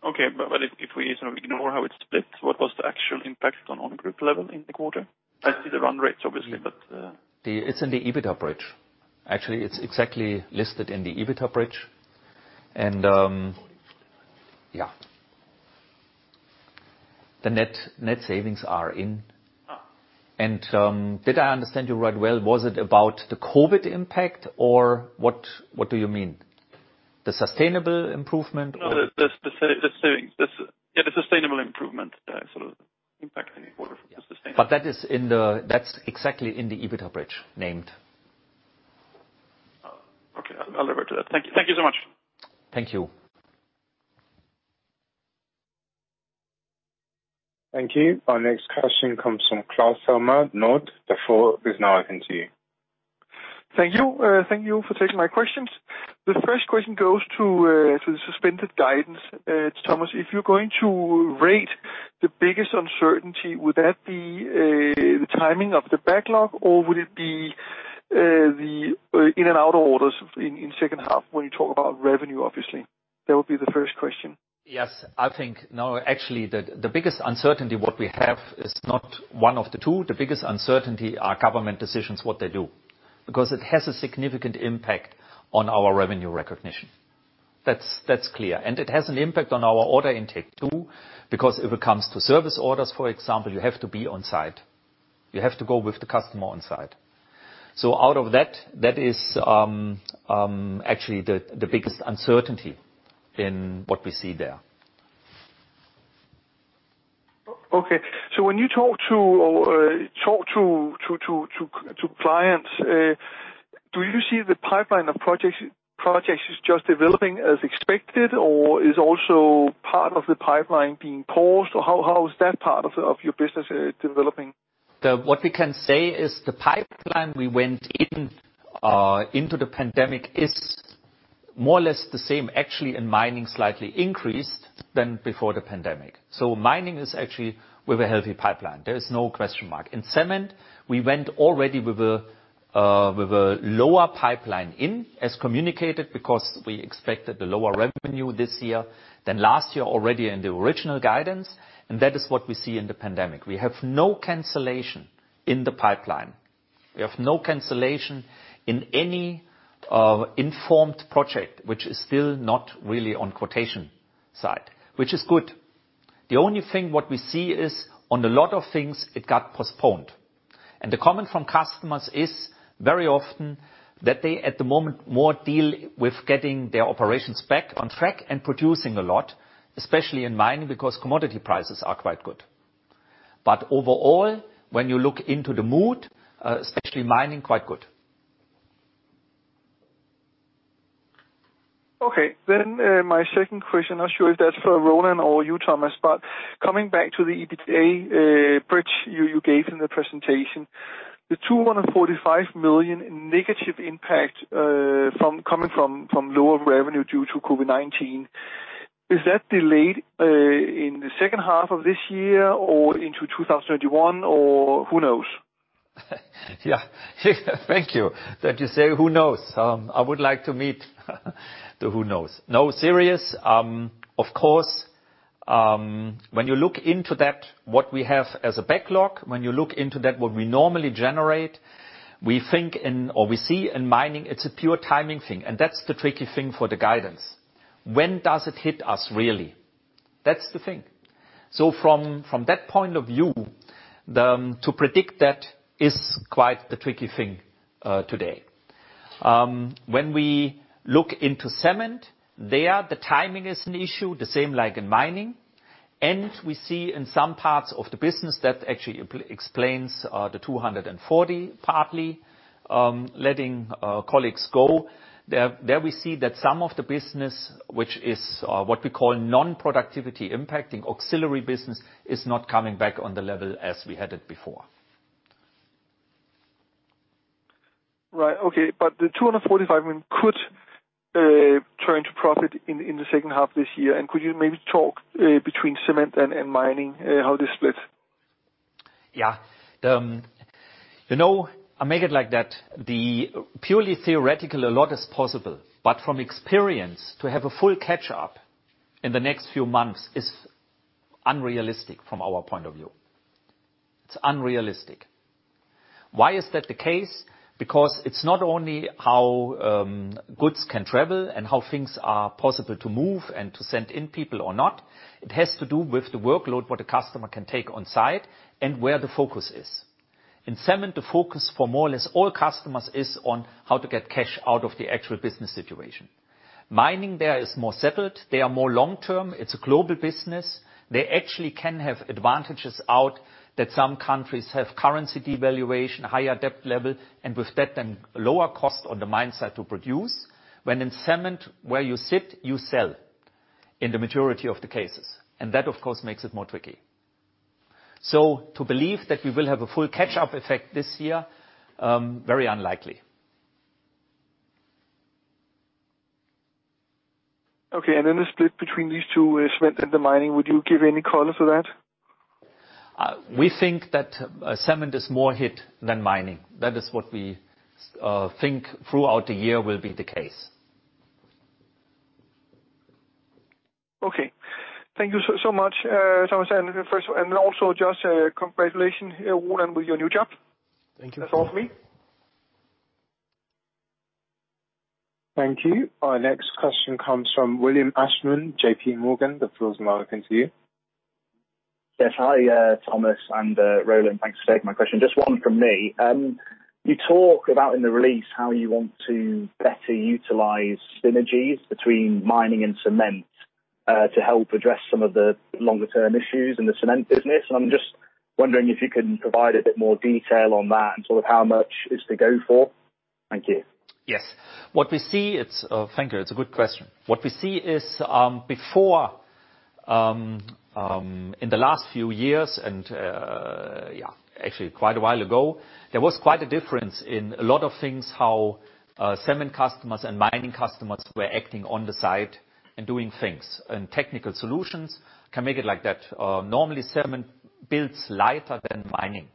Okay. But if we sort of ignore how it splits, what was the actual impact on group level in the quarter? I see the run rates, obviously, but. Then it's in the EBITDA bridge. Actually, it's exactly listed in the EBITDA bridge. Yeah, the net, net savings are in. Did I understand you right? Was it about the COVID impact or what? What do you mean? The sustainable improvement or? No, the sustainable savings, yeah, the sustainable improvement sort of impact in the quarter from the sustainable. Yeah, but that is exactly in the EBITDA bridge named. Okay. I'll, I'll refer to that. Thank you. Thank you so much. Thank you. Thank you. Our next question comes from Claus Almer, Nordea. The floor is now open to you. Thank you. Thank you for taking my questions. The first question goes to the suspended guidance. Thomas, if you're going to rate the biggest uncertainty, would that be the timing of the backlog, or would it be the in and out of orders in the second half when you talk about revenue, obviously? That would be the first question. Yes. I think no. Actually, the biggest uncertainty what we have is not one of the two. The biggest uncertainty is government decisions, what they do, because it has a significant impact on our revenue recognition. That's clear, and it has an impact on our order intake too because if it comes to service orders, for example, you have to be on site. You have to go with the customer on site. Out of that, that is actually the biggest uncertainty in what we see there. Okay. So when you talk to clients, do you see the pipeline of projects is just developing as expected, or is also part of the pipeline being paused? Or how is that part of your business developing? What we can say is the pipeline we went into the pandemic is more or less the same. Actually, in Mining, slightly increased than before the pandemic. So Mining is actually with a healthy pipeline. There is no question mark. In Cement, we went already with a lower pipeline, as communicated, because we expected the lower revenue this year than last year already in the original guidance. And that is what we see in the pandemic. We have no cancellation in the pipeline. We have no cancellation in any informed project, which is still not really on quotation side, which is good. The only thing what we see is on a lot of things it got postponed. The comment from customers is very often that they at the moment more deal with getting their operations back on track and producing a lot, especially in mining because commodity prices are quite good. Overall, when you look into the mood, especially mining, quite good. Okay. Then, my second question, I'm not sure if that's for Roland or you, Thomas, but coming back to the EBITDA bridge you gave in the presentation, the 245 million negative impact from lower revenue due to COVID-19, is that delayed in the second half of this year or into 2021, or who knows? Yeah. Yeah. Thank you that you say who knows. I would like to meet the who knows. No serious. Of course, when you look into that, what we have as a backlog, when you look into that, what we normally generate, we think in or we see in mining, it's a pure timing thing. And that's the tricky thing for the guidance. When does it hit us really? That's the thing. So from, from that point of view, to predict that is quite the tricky thing, today. When we look into Cement, there the timing is an issue, the same like in Mining. And we see in some parts of the business that actually explains the 240 partly, letting colleagues go. There we see that some of the business which is, what we call, non-productivity impacting auxiliary business is not coming back on the level as we had it before. Right. Okay. But the 245, I mean, could turn to profit in the second half this year. And could you maybe talk between Cement and Mining how this splits? Yeah. You know, I make it like that. The purely theoretical, a lot is possible. But from experience, to have a full catch-up in the next few months is unrealistic from our point of view. It's unrealistic. Why is that the case? Because it's not only how goods can travel and how things are possible to move and to send in people or not. It has to do with the workload what a customer can take on site and where the focus is. In Cement, the focus for more or less all customers is on how to get cash out of the actual business situation. Mining there is more settled. They are more long-term. It's a global business. They actually can have advantages in that some countries have currency devaluation, higher debt level, and with that then lower cost on the mine site to produce, when in Cement where you sit, you sell in the majority of the cases. And that, of course, makes it more tricky. So to believe that we will have a full catch-up effect this year, very unlikely. Okay. And in the split between these two, Cement and the Mining, would you give any color to that? We think that Cement is more hit than Mining. That is what we think throughout the year will be the case. Okay. Thank you so, so much, Thomas. And first and also just, congratulations, Roland, with your new job. Thank you. That's all from me. Thank you. Our next question comes from William Ashman, J.P. Morgan. The floor is now open to you. Yes. Hi, Thomas and Roland, thanks for taking my question. Just one from me. You talk about in the release how you want to better utilize synergies between Mining and Cement to help address some of the longer-term issues in the Cement business, and I'm just wondering if you can provide a bit more detail on that and sort of how much is to go for. Thank you. Yes. What we see is, thank you. It's a good question. What we see is, before, in the last few years and, yeah, actually quite a while ago, there was quite a difference in a lot of things how Cement customers and Mining customers were acting on the site and doing things and technical solutions can make it like that. Normally, Cement builds lighter than Mining.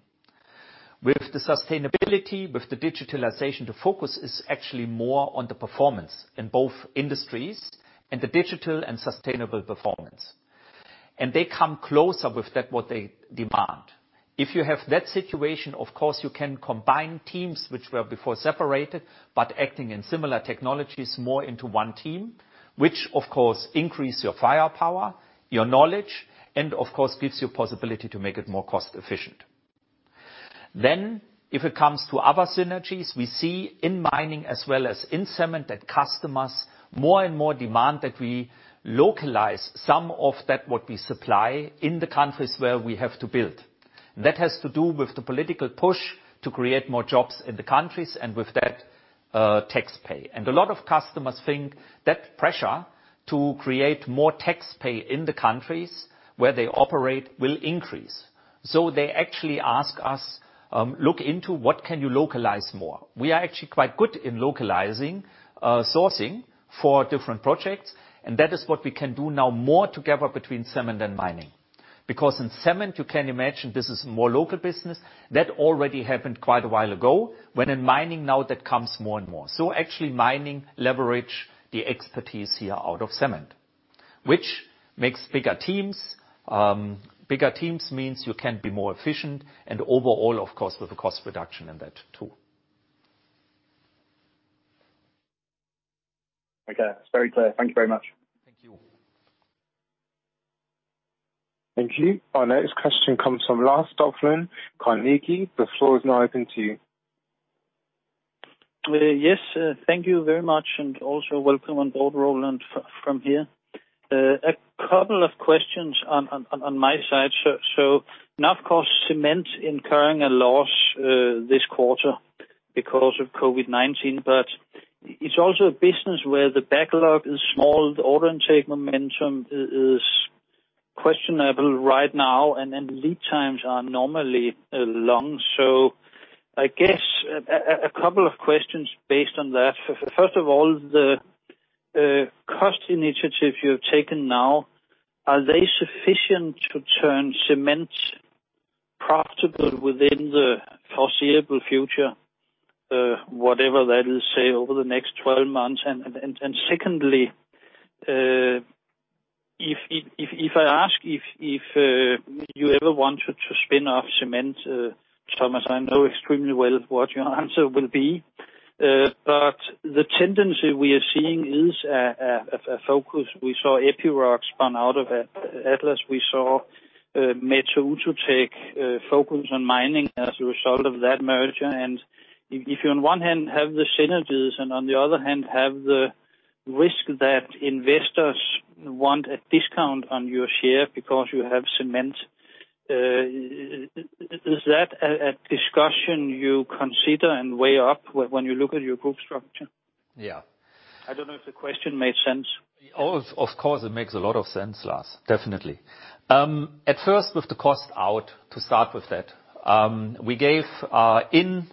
With the sustainability, with the digitalization, the focus is actually more on the performance in both industries and the digital and sustainable performance, and they come closer with that what they demand. If you have that situation, of course, you can combine teams which were before separated but acting in similar technologies more into one team, which, of course, increase your firepower, your knowledge, and, of course, gives you possibility to make it more cost-efficient. Then, if it comes to other synergies, we see in mining as well as in Cement that customers more and more demand that we localize some of that what we supply in the countries where we have to build. That has to do with the political push to create more jobs in the countries and with that, tax pay. And a lot of customers think that pressure to create more tax pay in the countries where they operate will increase. So they actually ask us, look into what can you localize more. We are actually quite good in localizing, sourcing for different projects. And that is what we can do now more together between Cement and Mining. Because in Cement, you can imagine this is more local business. That already happened quite a while ago when in Mining now that comes more and more. Actually Mining leverage the expertise here out of Cement, which makes bigger teams. Bigger teams means you can be more efficient and overall, of course, with a cost reduction in that too. Okay. That's very clear. Thank you very much. Thank you. Thank you. Our next question comes from Lars Topholm, Carnegie. The floor is now open to you. Yes. Thank you very much and also welcome on board, Roland, from here. A couple of questions on my side. Now, of course, Cement incurring a loss this quarter because of COVID-19. It is also a business where the backlog is small. The order intake momentum is questionable right now. Lead times are normally long. I guess a couple of questions based on that. First of all, the cost initiatives you have taken now, are they sufficient to turn Cement profitable within the foreseeable future, whatever that is, say, over the next 12 months? Secondly, if I ask if you ever wanted to spin off Cement, Thomas, I know extremely well what your answer will be. The tendency we are seeing is a focus. We saw Epiroc spun out of Atlas Copco. We saw Metso Outotec focus on mining as a result of that merger, and if you on one hand have the synergies and on the other hand have the risk that investors want a discount on your share because you have Cement, is that a discussion you consider and weigh up when you look at your group structure? Yeah. I don't know if the question made sense. Oh, of course, it makes a lot of sense, Lars. Definitely. At first with the cost out, to start with that, we gave in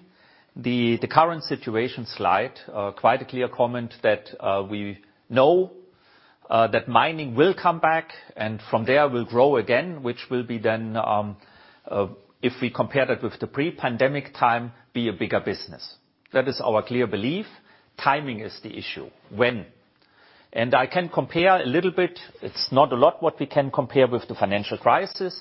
the current situation slide quite a clear comment that we know that mining will come back and from there will grow again, which will be then, if we compare that with the pre-pandemic time, be a bigger business. That is our clear belief. Timing is the issue: when and I can compare a little bit. It's not a lot what we can compare with the financial crisis,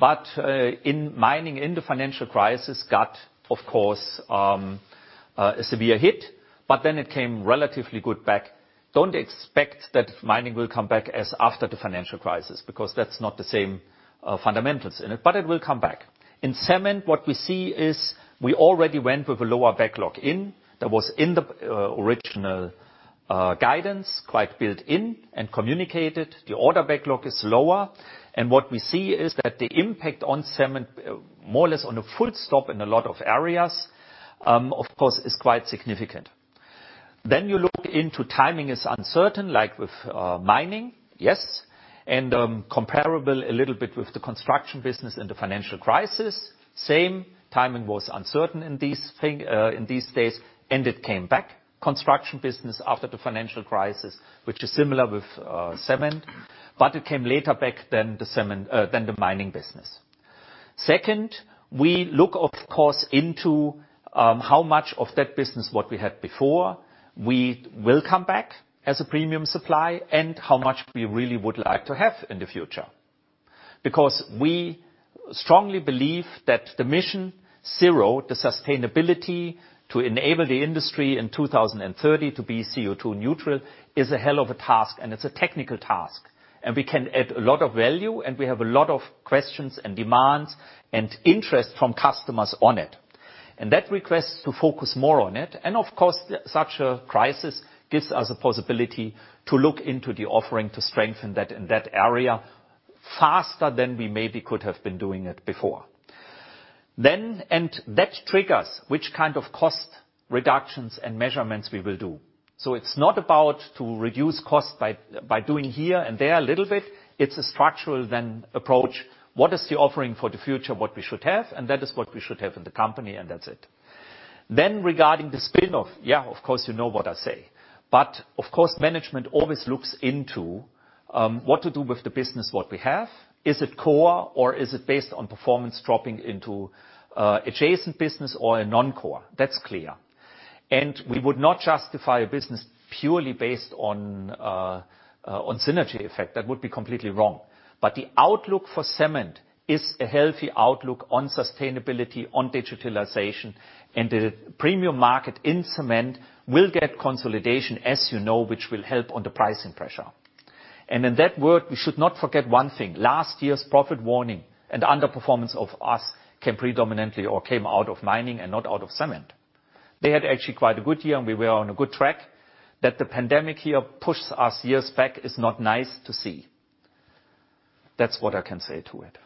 but in Mining in the financial crisis got of course a severe hit, but then it came relatively good back. Don't expect that Mining will come back as after the financial crisis because that's not the same fundamentals in it, but it will come back. In Cement, what we see is we already went with a lower backlog in. That was in the original guidance quite built-in and communicated. The order backlog is lower. What we see is that the impact on Cement, more or less on a full stop in a lot of areas, of course, is quite significant. Then you look into timing is uncertain, like with Mining. Yes. Comparable a little bit with the construction business and the financial crisis. Same. Timing was uncertain in these things in these days. It came back, construction business, after the financial crisis, which is similar with Cement. But it came later back than the Cement, than the Mining business. Second, we look, of course, into how much of that business what we had before will come back as a premium supply and how much we really would like to have in the future. Because we strongly believe that the MissionZero, the sustainability to enable the industry in 2030 to be CO2 neutral is a hell of a task. And it's a technical task. And we can add a lot of value. And we have a lot of questions and demands and interest from customers on it. And that requests to focus more on it. And of course, such a crisis gives us a possibility to look into the offering to strengthen that in that area faster than we maybe could have been doing it before. Then and that triggers which kind of cost reductions and measurements we will do. It's not about to reduce cost by doing here and there a little bit. It's a structural approach. What is the offering for the future, what we should have? And that is what we should have in the company. And that's it. Then regarding the spin-off, yeah, of course, you know what I say. But of course, management always looks into what to do with the business what we have. Is it core or is it based on performance dropping into adjacent business or a non-core? That's clear. And we would not justify a business purely based on synergy effect. That would be completely wrong. But the outlook for Cement is a healthy outlook on sustainability, on digitalization. And the premium market in Cement will get consolidation, as you know, which will help on the pricing pressure. In that regard, we should not forget one thing. Last year's profit warning and underperformance of us came predominantly or came out of Mining and not out of Cement. They had actually quite a good year. We were on a good track. That the pandemic here pushed us years back is not nice to see. That's what I can say to it.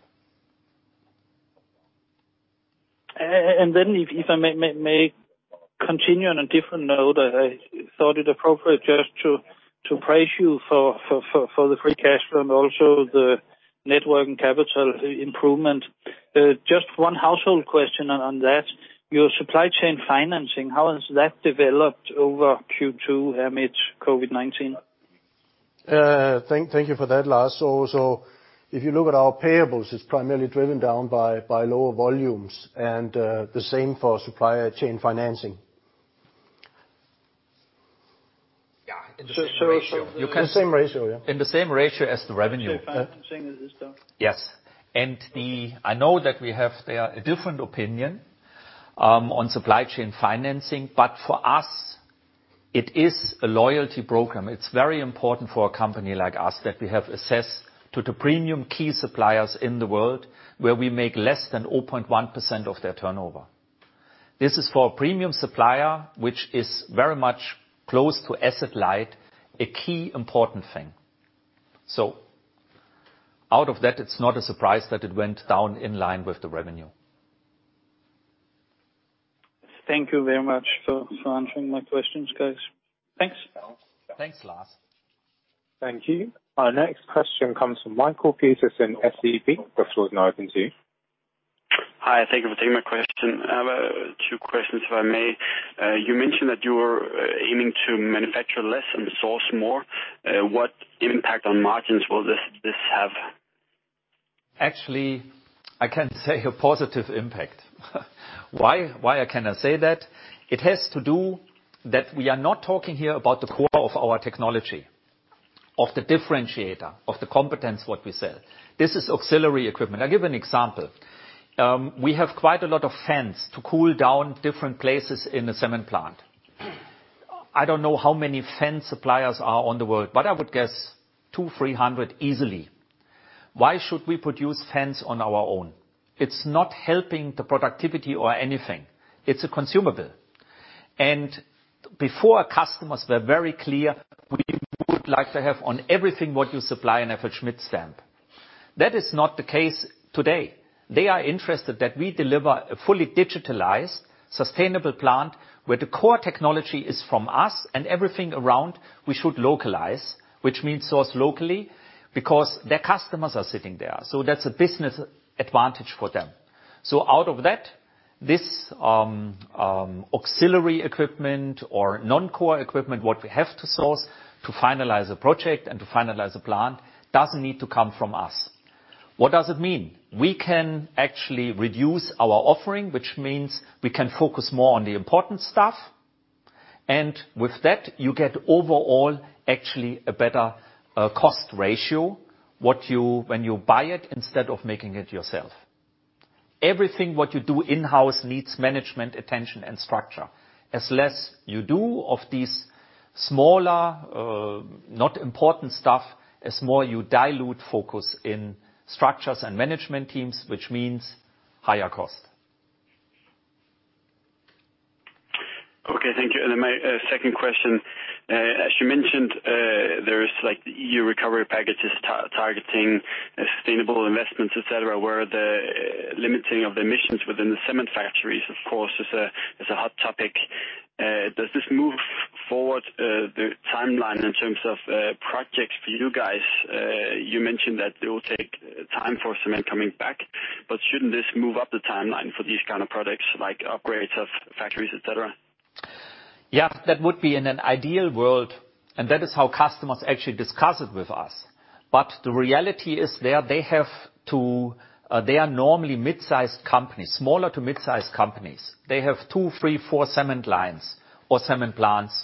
And then, if I may continue on a different note, I thought it appropriate just to praise you for the free cash flow and also the net working capital improvement. Just one follow-up question on that. Your supply chain financing, how has that developed over Q2 amidst COVID-19? Thank you for that, Lars. So if you look at our payables, it's primarily driven down by lower volumes, and the same for supply chain financing. Yeah. In the same ratio, yeah. In the same ratio as the revenue. So financing is the. Yes. And I know that we have there a different opinion on supply chain financing. But for us, it is a loyalty program. It's very important for a company like us that we have access to the premium key suppliers in the world where we make less than 0.1% of their turnover. This is for a premium supplier, which is very much close to asset light, a key important thing. So out of that, it's not a surprise that it went down in line with the revenue. Thank you very much for answering my questions, guys. Thanks. Thanks, Lars. Thank you. Our next question comes from Mikael Petersen, SEB. The floor is now open to you. Hi. Thank you for taking my question. I have two questions, if I may. You mentioned that you were aiming to manufacture less and source more. What impact on margins will this have? Actually, I can say a positive impact. Why, why I cannot say that? It has to do that we are not talking here about the core of our technology, of the differentiator, of the competence what we sell. This is auxiliary equipment. I'll give an example. We have quite a lot of fans to cool down different places in a cement plant. I don't know how many fan suppliers are in the world, but I would guess 200-300 easily. Why should we produce fans on our own? It's not helping the productivity or anything. It's a consumable. And before customers were very clear, we would like to have on everything what you supply an FLSmidth stamp. That is not the case today. They are interested that we deliver a fully digitalized, sustainable plant where the core technology is from us and everything around we should localize, which means source locally because their customers are sitting there, so that's a business advantage for them, so out of that, this auxiliary equipment or non-core equipment what we have to source to finalize a project and to finalize a plant doesn't need to come from us. What does it mean? We can actually reduce our offering, which means we can focus more on the important stuff and with that, you get overall actually a better cost ratio what you when you buy it instead of making it yourself. Everything what you do in-house needs management attention and structure. The less you do of these smaller, not important stuff, the more you dilute focus in structures and management teams, which means higher cost. Okay. Thank you. And then my second question. As you mentioned, there is like your recovery packages targeting sustainable investments, etc., where the limiting of the emissions within the cement factories, of course, is a hot topic. Does this move forward the timeline in terms of projects for you guys? You mentioned that it will take time for Cement coming back. But shouldn't this move up the timeline for these kind of products like upgrades of factories, etc.? Yeah. That would be in an ideal world and that is how customers actually discuss it with us, but the reality is they have to, they are normally mid-sized companies, smaller to mid-sized companies. They have two, three, four cement lines or cement plants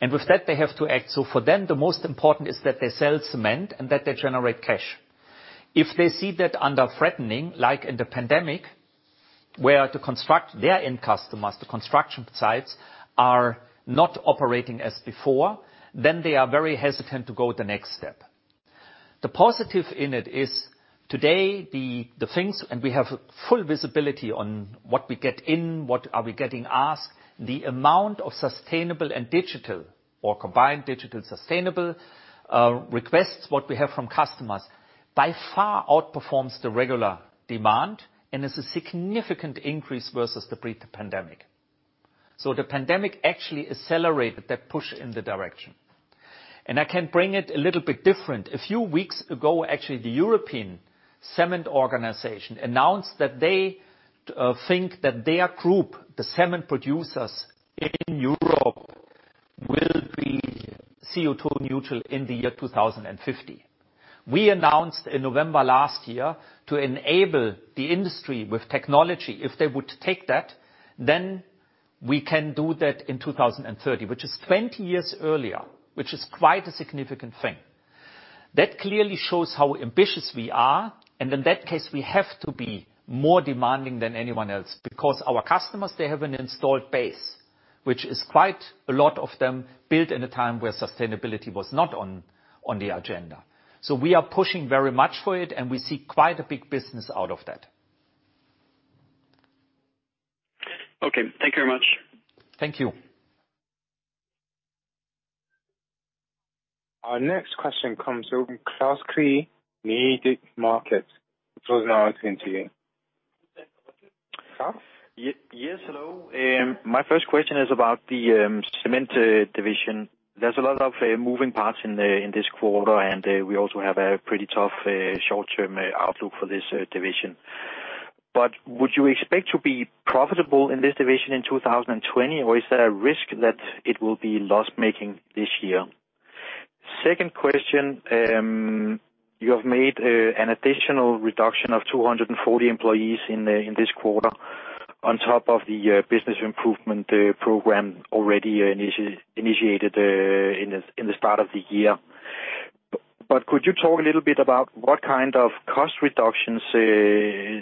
and with that, they have to act, so for them, the most important is that they sell cement and that they generate cash. If they see that under threat like in the pandemic where the construction, their end customers, the construction sites, are not operating as before, then they are very hesitant to go the next step. The positive in it is today the things and we have full visibility on what we get in, what are we getting asked. The amount of sustainable and digital or combined digital sustainable requests what we have from customers by far outperforms the regular demand and is a significant increase versus the pre-pandemic, so the pandemic actually accelerated that push in the direction, and I can bring it a little bit different. A few weeks ago, actually, the European cement organization announced that they think that their group, the cement producers in Europe, will be CO2 neutral in the year 2050. We announced in November last year to enable the industry with technology if they would take that, then we can do that in 2030, which is 20 years earlier, which is quite a significant thing. That clearly shows how ambitious we are. In that case, we have to be more demanding than anyone else because our customers, they have an installed base, which is quite a lot of them built in a time where sustainability was not on the agenda. We are pushing very much for it. We see quite a big business out of that. Okay. Thank you very much. Thank you. Our next question comes from Klaus Kehl, Nykredit Markets. The floor is now open to you. Klaus? Yes, hello. My first question is about the cement division. There's a lot of moving parts in this quarter. And we also have a pretty tough short-term outlook for this division. But would you expect to be profitable in this division in 2020? Or is there a risk that it will be loss-making this year? Second question, you have made an additional reduction of 240 employees in this quarter on top of the Business Improvement Program already initiated in the start of the year. But could you talk a little bit about what kind of cost reductions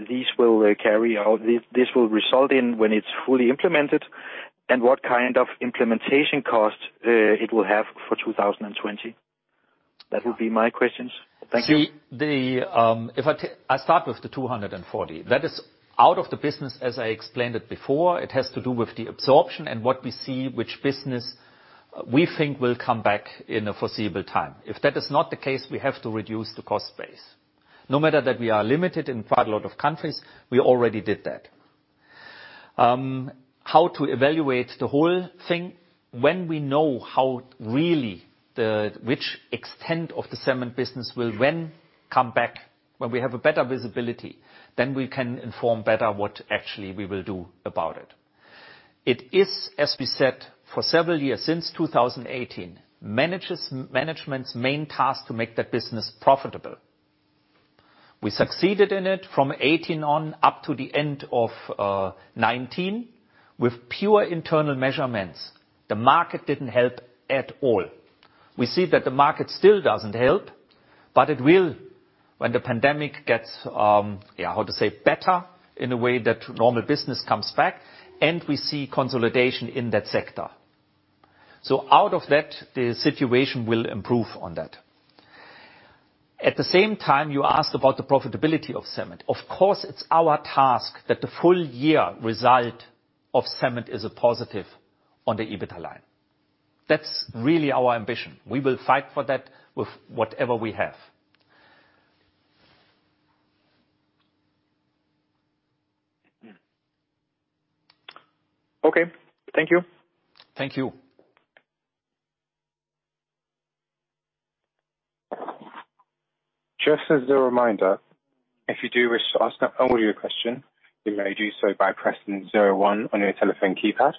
these will carry out, this will result in when it's fully implemented, and what kind of implementation cost it will have for 2020? That would be my questions. Thank you. See, if I start with the 240. That is out of the business, as I explained it before. It has to do with the absorption and what we see which business we think will come back in a foreseeable time. If that is not the case, we have to reduce the cost base. No matter that we are limited in quite a lot of countries, we already did that. How to evaluate the whole thing when we know how really the extent of the Cement business will come back when we have a better visibility, then we can inform better what actually we will do about it. It is, as we said, for several years since 2018, management's main task to make that business profitable. We succeeded in it from 2018 on up to the end of 2019 with pure internal measurements. The market didn't help at all. We see that the market still doesn't help, but it will when the pandemic gets, yeah, how to say, better in a way that normal business comes back, and we see consolidation in that sector, so out of that, the situation will improve on that. At the same time, you asked about the profitability of Cement. Of course, it's our task that the full year result of Cement is a positive on the EBITDA line. That's really our ambition. We will fight for that with whatever we have. Okay. Thank you. Thank you. Just as a reminder, if you do wish to ask another question, you may do so by pressing zero one on your telephone keypad.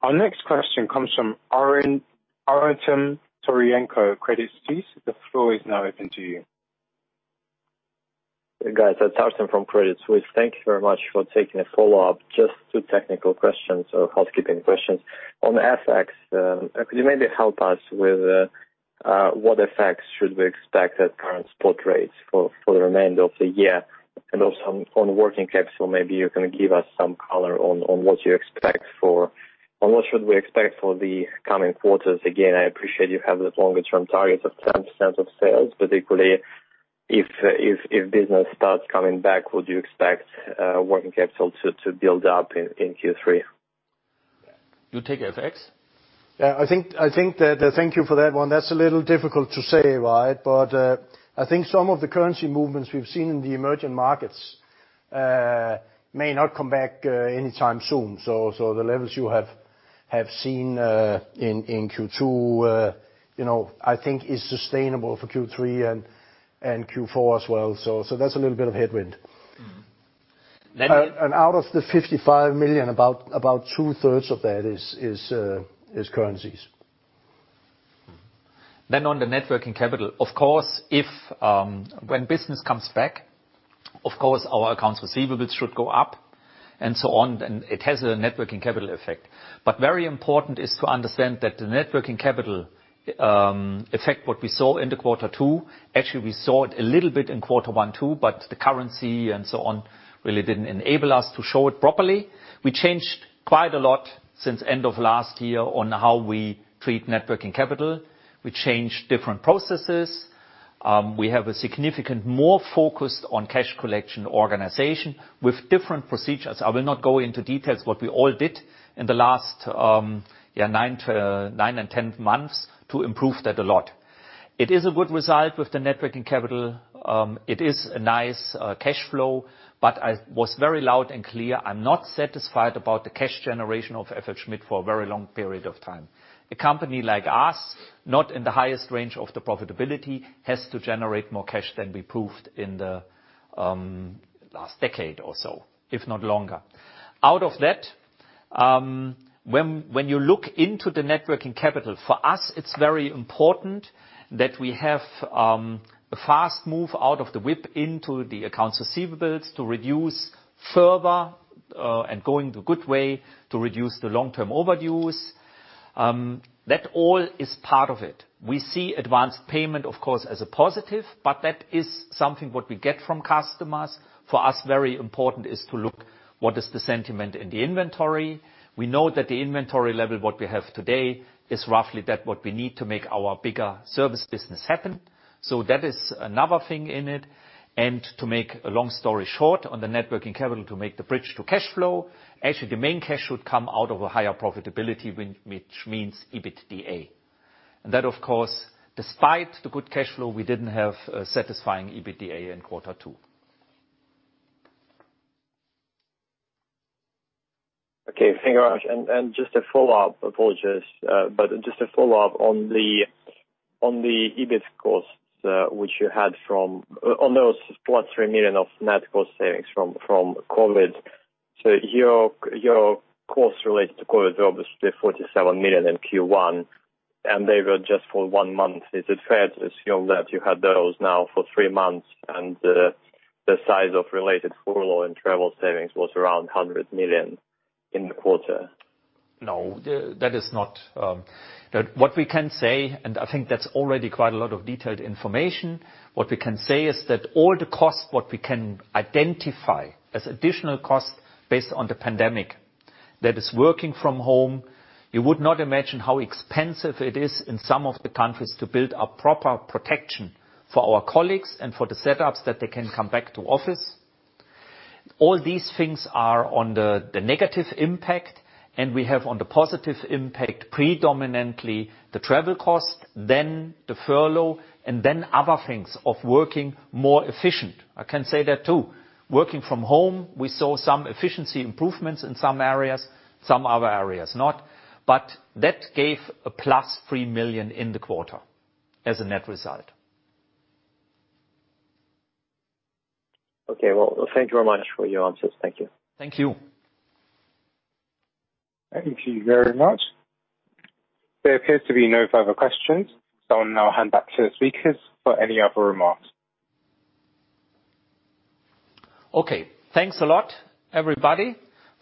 Our next question comes from Artem Tokarenko, Credit Suisse. The floor is now open to you. Hey, guys. That's Artem from Credit Suisse. Thank you very much for taking a follow-up. Just two technical questions or housekeeping questions. On FX, could you maybe help us with what effects should we expect at current spot rates for the remainder of the year? Also on working capital, maybe you can give us some color on what you expect for the coming quarters. Again, I appreciate you have that longer-term target of 10% of sales, particularly if business starts coming back. Would you expect working capital to build up in Q3? You take FX? Yeah. I think I think that, thank you for that one. That's a little difficult to say, right? But I think some of the currency movements we've seen in the emerging markets may not come back anytime soon. So, so the levels you have have seen in in Q2, you know, I think is sustainable for Q3 and and Q4 as well. So, so that's a little bit of headwind. Mm-hmm. Out of the 55 million, about two-thirds of that is currencies. Mm-hmm. Then on the net working capital, of course, if, when business comes back, of course, our accounts receivable should go up and so on. And it has a net working capital effect. But very important is to understand that the net working capital effect what we saw in the quarter two, actually, we saw it a little bit in quarter one too. But the currency and so on really didn't enable us to show it properly. We changed quite a lot since end of last year on how we treat net working capital. We changed different processes. We have a significant more focused on cash collection organization with different procedures. I will not go into details what we all did in the last nine and 10 months to improve that a lot. It is a good result with the net working capital. It is a nice cash flow. But I was very loud and clear. I'm not satisfied about the cash generation of FLSmidth for a very long period of time. A company like us, not in the highest range of the profitability, has to generate more cash than we proved in the last decade or so, if not longer. Out of that, when you look into the net working capital, for us, it's very important that we have a fast move out of the WIP into the accounts receivable to reduce further, and going the good way to reduce the long-term overdues. That all is part of it. We see advance payment, of course, as a positive. But that is something what we get from customers. For us, very important is to look what is the sentiment in the inventory. We know that the inventory level what we have today is roughly that what we need to make our bigger service business happen, so that is another thing in it, and to make a long story short, on the net working capital, to make the bridge to cash flow, actually, the main cash should come out of a higher profitability, which means EBITDA, and that, of course, despite the good cash flow, we didn't have a satisfying EBITDA in quarter two. Okay. Thank you very much. And just a follow-up. Apologies, but just a follow-up on the EBIT costs, which you had from on those plus 3 million of net cost savings from COVID. So your cost related to COVID were obviously 47 million in Q1. And they were just for one month. Is it fair to assume that you had those now for three months and the size of related furlough and travel savings was around 100 million in the quarter? No. That is not, that what we can say, and I think that's already quite a lot of detailed information. What we can say is that all the cost what we can identify as additional cost based on the pandemic that is working from home. You would not imagine how expensive it is in some of the countries to build up proper protection for our colleagues and for the setups that they can come back to office. All these things are on the negative impact, and we have on the positive impact predominantly the travel cost, then the furlough, and then other things of working more efficient. I can say that too. Working from home, we saw some efficiency improvements in some areas, some other areas not, but that gave a plus 3 million in the quarter as a net result. Okay. Well, thank you very much for your answers. Thank you. Thank you. Thank you very much. There appears to be no further questions. So I'll now hand back to the speakers for any other remarks. Okay. Thanks a lot, everybody,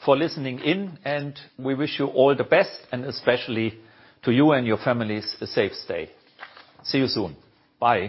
for listening in. And we wish you all the best, and especially to you and your families, a safe stay. See you soon. Bye.